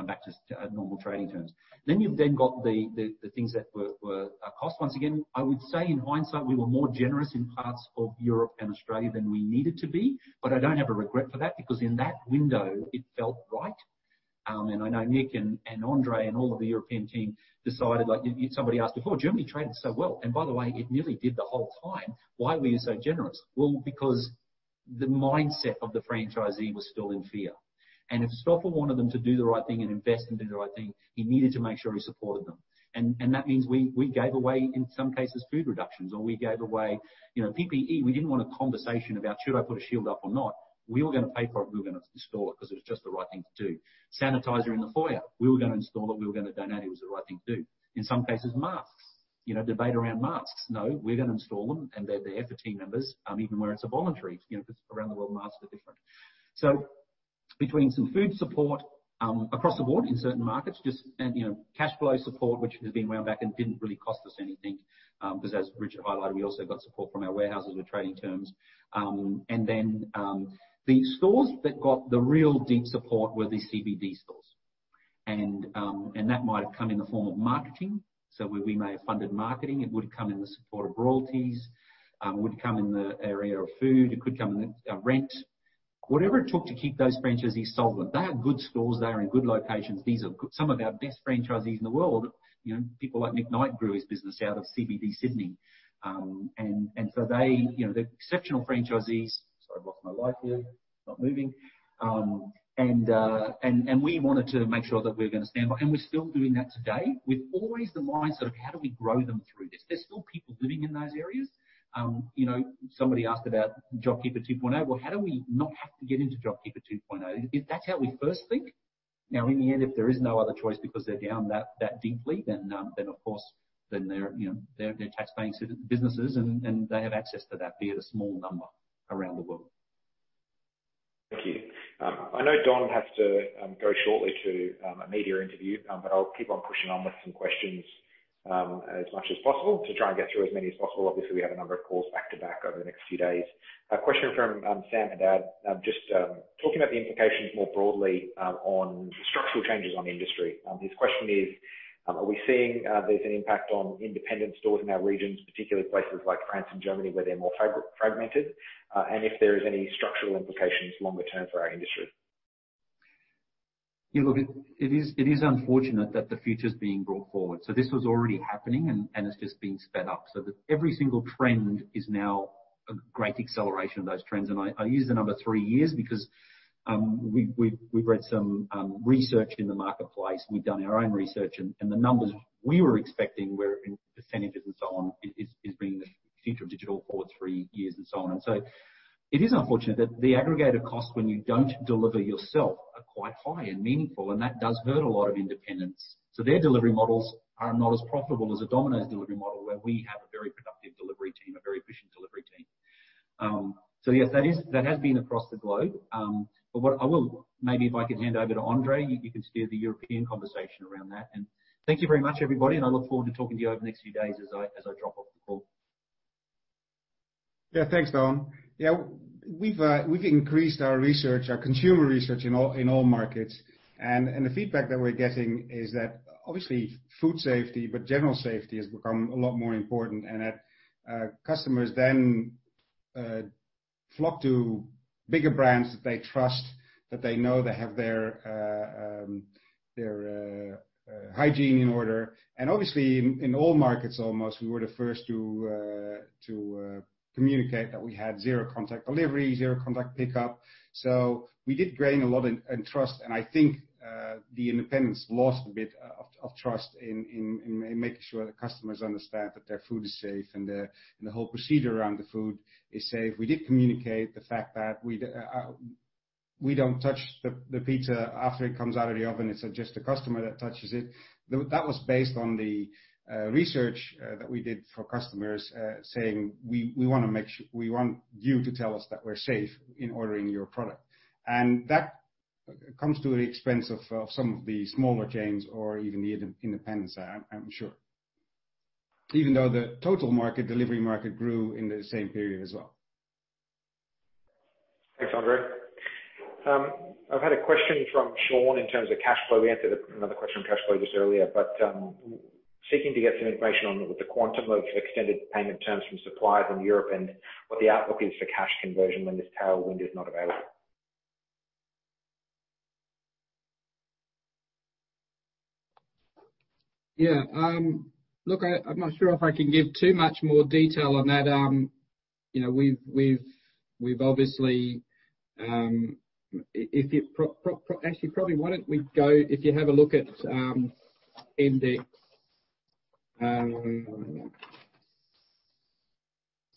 back to normal trading terms. Then you've got the things that were costs. Once again, I would say in hindsight, we were more generous in parts of Europe and Australia than we needed to be. But I don't have a regret for that because in that window, it felt right. And I know Nick and and André and all of the European team decided, like, you, somebody asked before, Germany traded so well. And by the way, it nearly did the whole time. Why were you so generous? Well, because the mindset of the franchisee was still in fear. And that means we gave away, in some cases, food reductions or we gave away, you know, PPE. We didn't want a conversation about should I put a shield up or not. We were going to pay for it. We were going to install it because it was just the right thing to do. Sanitizer in the foyer. We were going to install it. We were going to donate. It was the right thing to do. In some cases, masks. You know, debate around masks. No, we're going to install them. And they're there for team members, even where it's a voluntary, you know, because around the world, masks are different. So between some food support, across the board in certain markets, just, and, you know, cash flow support, which has been wound back and didn't really cost us anything, because as Richard highlighted, we also got support from our warehouses with trading terms, and then the stores that got the real deep support were the CBD stores. And that might have come in the form of marketing. We may have funded marketing. It would have come in the support of royalties. It would come in the area of food. It could come in rent. Whatever it took to keep those franchisees solvent. They are good stores. They are in good locations. These are some of our best franchisees in the world. You know, people like Nick Knight grew his business out of CBD Sydney. We wanted to make sure that we were going to stand by. We're still doing that today with always the mindset of how do we grow them through this. There's still people living in those areas. You know, somebody asked about JobKeeper 2.0. How do we not have to get into JobKeeper 2.0? If that's how we first think, now in the end, if there is no other choice because they're down that deeply, then of course, they're, you know, they're taxpaying businesses and they have access to that, be it a small number around the world. Thank you. I know Don has to go shortly to a media interview, but I'll keep on pushing on with some questions, as much as possible to try and get through as many as possible. Obviously, we have a number of calls back to back over the next few days. A question from Sam Haddad, just talking about the implications more broadly on the structural changes on the industry. His question is, are we seeing there's an impact on independent stores in our regions, particularly places like France and Germany where they're more fragmented, and if there is any structural implications longer term for our industry? You know, look, it is unfortunate that the future is being brought forward. So this was already happening and it's just being sped up. So that every single trend is now a great acceleration of those trends. And I use the number three years because we've read some research in the marketplace. We've done our own research and the numbers we were expecting were in percentages and so on, is bringing the future of digital forward three years and so on. And so it is unfortunate that the aggregated costs when you don't deliver yourself are quite high and meaningful. And that does hurt a lot of independents. So their delivery models are not as profitable as a Domino's delivery model where we have a very productive delivery team, a very efficient delivery team. So yes, that is, that has been across the globe. But what I will maybe, if I could hand over to André, you can steer the European conversation around that. And thank you very much, everybody. And I look forward to talking to you over the next few days as I, as I drop off the call. Yeah. Thanks, Don. Yeah. We've increased our research, our consumer research in all markets. And the feedback that we're getting is that obviously food safety, but general safety has become a lot more important and that customers then flock to bigger brands that they trust, that they know they have their hygiene in order. And obviously in all markets almost, we were the first to communicate that we had Zero Contact Delivery, Zero Contact Pickup. So we did gain a lot in trust. And I think the independents lost a bit of trust in making sure that customers understand that their food is safe and the whole procedure around the food is safe. We did communicate the fact that we don't touch the pizza after it comes out of the oven. It's just a customer that touches it. That was based on the research that we did for customers, saying we want to make sure we want you to tell us that we're safe in ordering your product, and that comes at the expense of some of the smaller chains or even the independents, I'm sure, even though the total market delivery market grew in the same period as well. Thanks, André. I've had a question from Shaun in terms of cash flow. We answered another question on cash flow just earlier, but seeking to get some information on what the quantum of extended payment terms from suppliers in Europe and what the outlook is for cash conversion when this tailwind is not available. Yeah. Look, I'm not sure if I can give too much more detail on that. You know, we've obviously, actually probably why don't we go if you have a look at Annex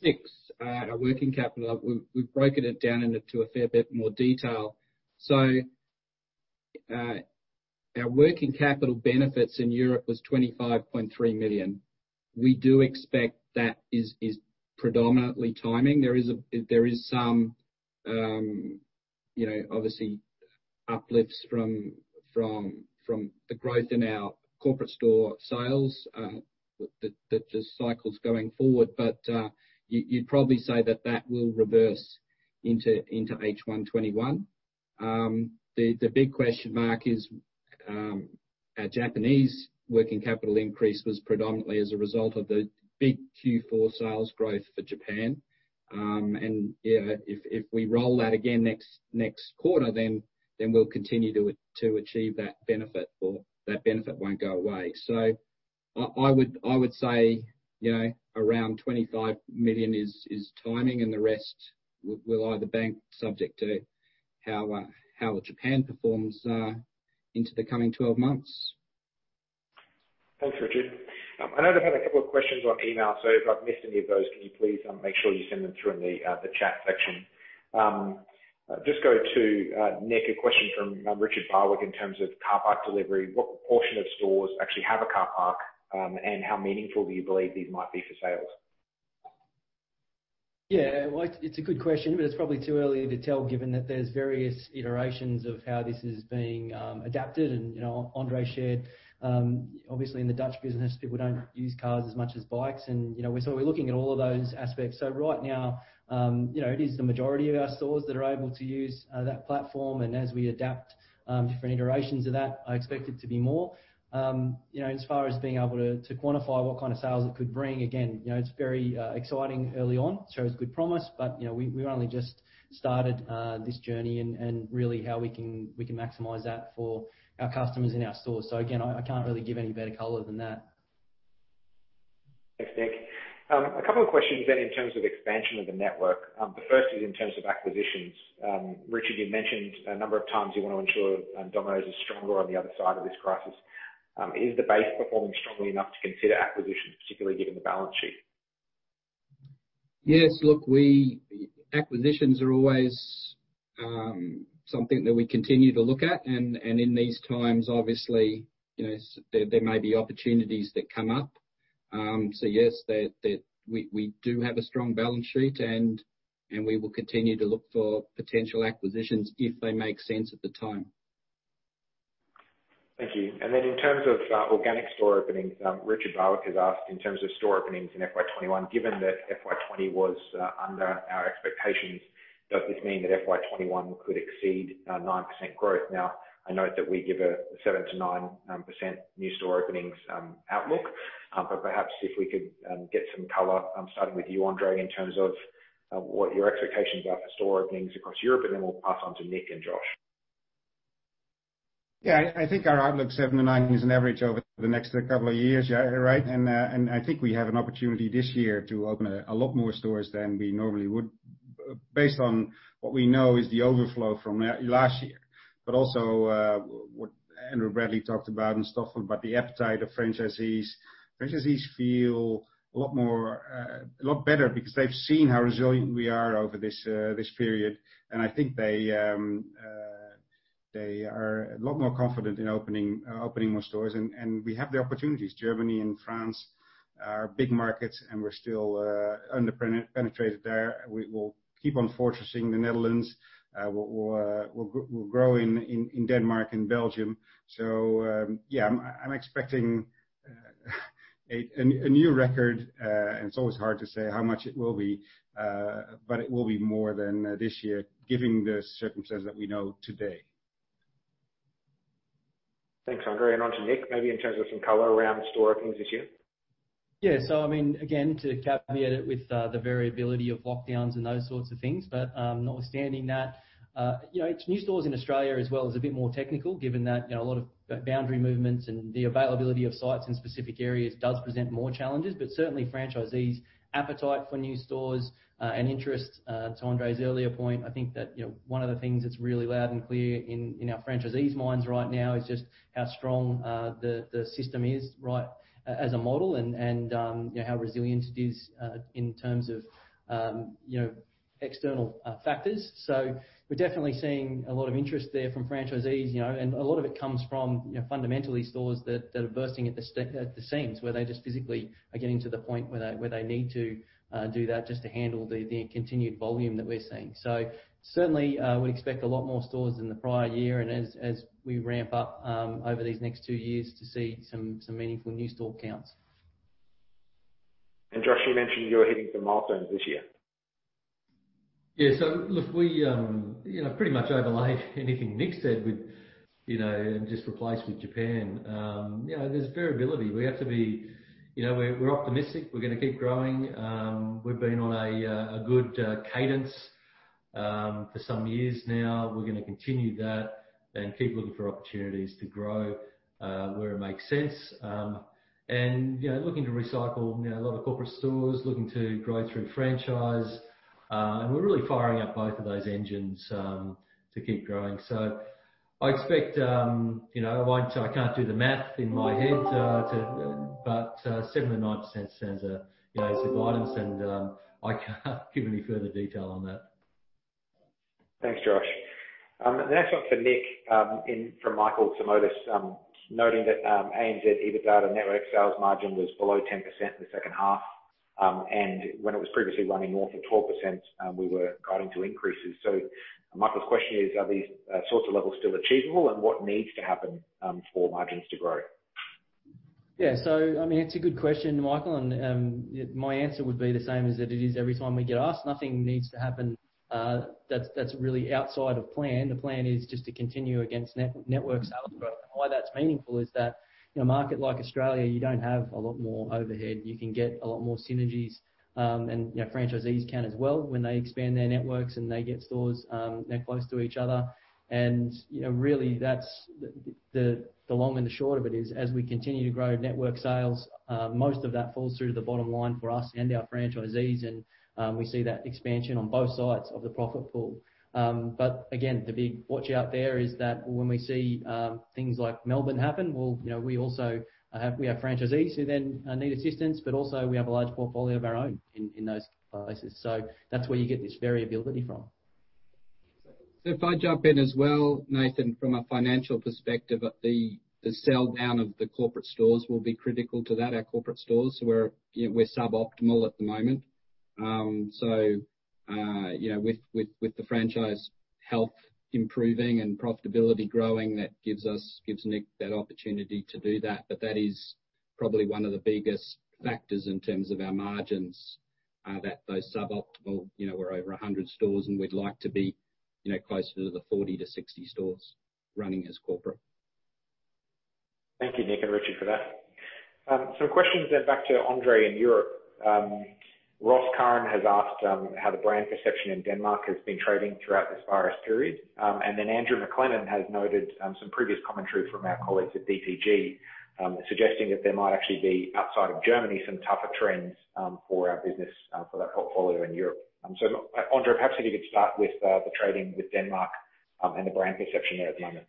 VI, our working capital. We've broken it down into a fair bit more detail. So, our working capital benefits in Europe was 25.3 million. We do expect that is predominantly timing. There is some, you know, obviously uplifts from the growth in our corporate store sales, that just cycles going forward. But, you'd probably say that that will reverse into H1 21. The big question mark is, our Japanese working capital increase was predominantly as a result of the big Q4 sales growth for Japan. And, you know, if we roll that again next quarter, then we'll continue to achieve that benefit or that benefit won't go away. So I would say, you know, around 25 million is timing and the rest will either bank subject to how Japan performs into the coming 12 months. Thanks, Richard. I know they've had a couple of questions on email. So if I've missed any of those, can you please make sure you send them through in the chat section? Just go to Nick, a question from Richard Barwick in terms of Car Park Delivery. What proportion of stores actually have a car park? And how meaningful do you believe these might be for sales? Yeah, well, it's a good question, but it's probably too early to tell given that there's various iterations of how this is being adapted, and you know, André shared, obviously in the Dutch business, people don't use cars as much as bikes, and you know, we're sort of looking at all of those aspects. So right now, you know, it is the majority of our stores that are able to use that platform, and as we adapt different iterations of that, I expect it to be more, you know, as far as being able to quantify what kind of sales it could bring, again, you know, it's very exciting early on, shows good promise, but you know, we've only just started this journey and really how we can maximize that for our customers in our stores. Again, I can't really give any better color than that. Thanks, Nick. A couple of questions then in terms of expansion of the network. The first is in terms of acquisitions. Richard, you've mentioned a number of times you want to ensure Domino's is stronger on the other side of this crisis. Is the base performing strongly enough to consider acquisitions, particularly given the balance sheet? Yes. Look, acquisitions are always something that we continue to look at. And in these times, obviously, you know, there may be opportunities that come up. So yes, we do have a strong balance sheet and we will continue to look for potential acquisitions if they make sense at the time. Thank you. And then in terms of organic store openings, Richard Barwick has asked in terms of store openings in FY21, given that FY20 was under our expectations, does this mean that FY21 could exceed 9% growth? Now, I note that we give a 7%-9% new store openings outlook. But perhaps if we could get some color, starting with you, André, in terms of what your expectations are for store openings across Europe, and then we'll pass on to Nick and Josh. Yeah. I think our outlook seven and nine is an average over the next couple of years, right? And I think we have an opportunity this year to open a lot more stores than we normally would, based on what we know is the overflow from last year. But also, what Andrew Bradley talked about and Stoffel about the appetite of franchisees. Franchisees feel a lot more, a lot better because they've seen how resilient we are over this period. And I think they are a lot more confident in opening more stores. And we have the opportunities. Germany and France are big markets and we're still underpenetrated there. We will keep on fortressing the Netherlands. We'll grow in Denmark and Belgium. Yeah, I'm expecting a new record, and it's always hard to say how much it will be, but it will be more than this year given the circumstances that we know today. Thanks, André, and onto Nick, maybe in terms of some color around store openings this year. Yeah. So I mean, again, to caveat it with the variability of lockdowns and those sorts of things, but notwithstanding that, you know, it's new stores in Australia as well as a bit more technical given that, you know, a lot of boundary movements and the availability of sites in specific areas does present more challenges. But certainly franchisees' appetite for new stores and interest, to André's earlier point, I think that, you know, one of the things that's really loud and clear in our franchisees' minds right now is just how strong the system is, right, as a model and, you know, how resilient it is in terms of external factors. So we're definitely seeing a lot of interest there from franchisees, you know, and a lot of it comes from, you know, fundamentally stores that are bursting at the seams where they just physically are getting to the point where they need to do that just to handle the continued volume that we're seeing. So certainly, we'd expect a lot more stores than the prior year. And as we ramp up over these next two years to see some meaningful new store counts. Josh, you mentioned you're hitting some milestones this year. Yeah. So look, we, you know, pretty much overlay anything Nick said with, you know, and just replace with Japan. You know, there's variability. We have to be, you know, we're optimistic. We're going to keep growing. We've been on a good cadence for some years now. We're going to continue that and keep looking for opportunities to grow where it makes sense, and, you know, looking to recycle, you know, a lot of corporate stores looking to grow through franchise, and we're really firing up both of those engines to keep growing. So I expect, you know, I won't, I can't do the math in my head, but 7% and 9% sounds, you know, is guidance. And I can't give any further detail on that. Thanks, Josh. The next one for Nick, in from stores, noting that ANZ EBITDA to network sales margin was below 10% in the second half, and when it was previously running north of 12%, we were guiding to increases. So Michael's question is, are these sorts of levels still achievable and what needs to happen for margins to grow? Yeah. So I mean, it's a good question, Michael. My answer would be the same as that it is every time we get asked. Nothing needs to happen, that's really outside of plan. The plan is just to continue against network sales growth. And why that's meaningful is that, you know, market like Australia, you don't have a lot more overhead. You can get a lot more synergies, and, you know, franchisees can as well when they expand their networks and they get stores, they're close to each other. And, you know, really that's the long and the short of it is as we continue to grow network sales, most of that falls through to the bottom line for us and our franchisees. And, we see that expansion on both sides of the profit pool. But again, the big watch out there is that when we see things like Melbourne happen. Well, you know, we also have franchisees who then need assistance, but also we have a large portfolio of our own in those places. So that's where you get this variability from. So if I jump in as well, Nathan, from a financial perspective, the sell down of the corporate stores will be critical to that, our corporate stores. So we're, you know, we're suboptimal at the moment. So, you know, with the franchise health improving and profitability growing, that gives us, gives Nick that opportunity to do that. But that is probably one of the biggest factors in terms of our margins, that those suboptimal, you know, we're over a hundred stores and we'd like to be, you know, closer to the 40 stores-60 stores running as corporate. Thank you, Nick and Richard, for that. Some questions, then back to André in Europe. Ross Curran has asked how the brand perception in Denmark has been trading throughout this virus period, and then Andrew McLennan has noted some previous commentary from our colleagues at DPG, suggesting that there might actually be outside of Germany some tougher trends for our business, for that portfolio in Europe, so André, perhaps if you could start with the trading with Denmark, and the brand perception there at the moment.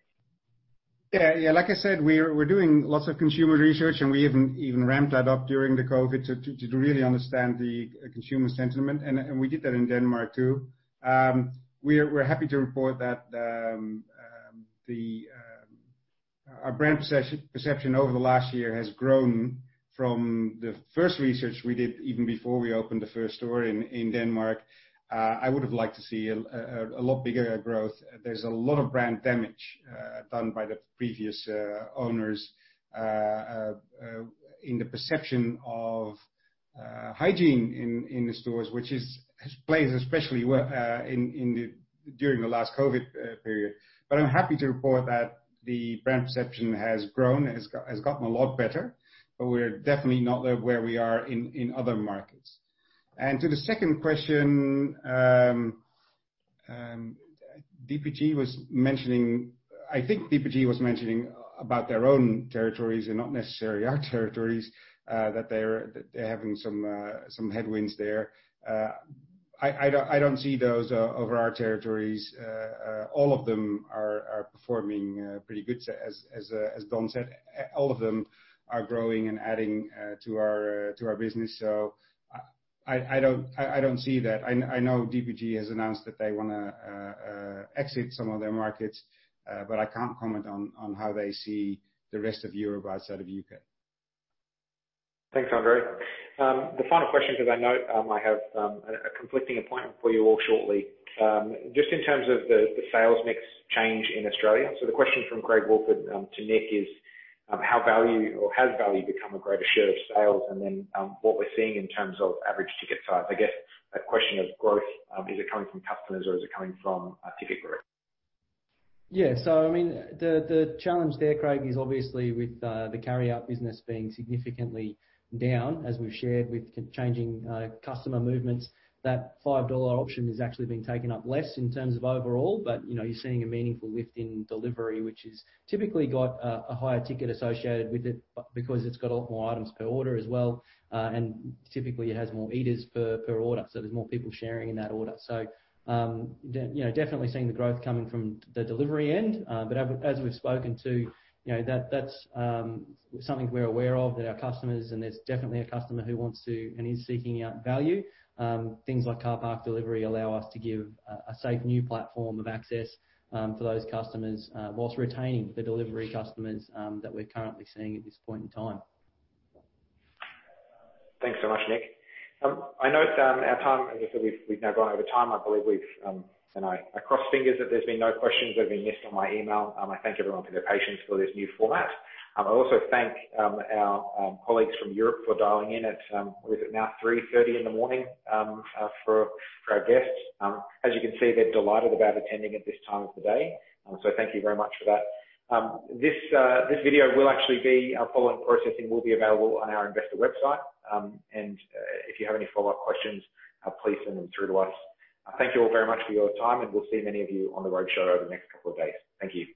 Yeah. Like I said, we're doing lots of consumer research and we even ramped that up during the COVID to really understand the consumer sentiment, and we did that in Denmark too. We're happy to report that our brand perception over the last year has grown from the first research we did even before we opened the first store in Denmark. I would have liked to see a lot bigger growth. There's a lot of brand damage done by the previous owners in the perception of hygiene in the stores, which has played especially well during the last COVID period. But I'm happy to report that the brand perception has grown, has gotten a lot better, but we're definitely not where we are in other markets. To the second question, DPG was mentioning, I think, about their own territories and not necessarily our territories, that they're having some headwinds there. I don't see those over our territories. All of them are performing pretty good as Don said. All of them are growing and adding to our business. So I don't see that. I know DPG has announced that they want to exit some of their markets, but I can't comment on how they see the rest of Europe outside of the UK. Thanks, André. The final question, because I know I have a conflicting appointment for you all shortly. Just in terms of the sales mix change in Australia. So the question from Craig Woolford to Nick is, how value or has value become a greater share of sales? And then, what we're seeing in terms of average ticket size, I guess that question of growth, is it coming from customers or is it coming from ticket growth? Yeah. So I mean, the challenge there, Craig, is obviously with the carryout business being significantly down, as we've shared with changing customer movements, that $5 option is actually being taken up less in terms of overall. But, you know, you're seeing a meaningful lift in delivery, which has typically got a higher ticket associated with it because it's got a lot more items per order as well. And typically it has more eaters per order. So there's more people sharing in that order. So, you know, definitely seeing the growth coming from the delivery end. But as we've spoken to, you know, that's something we're aware of that our customers, and there's definitely a customer who wants to and is seeking out value. Things like Car Park Delivery allow us to give a safe new platform of access for those customers while retaining the delivery customers that we're currently seeing at this point in time. Thanks so much, Nick. I know it's our time, as I said, we've now gone over time. I believe we've and I cross fingers that there's been no questions that have been missed on my email. I thank everyone for their patience for this new format. I also thank our colleagues from Europe for dialing in at what is it now 3:30 A.M. for our guests. As you can see, they're delighted about attending at this time of the day. So thank you very much for that. This video will actually be following processing available on our investor website. And if you have any follow-up questions, please send them through to us. Thank you all very much for your time, and we'll see many of you on the road show over the next couple of days. Thank you.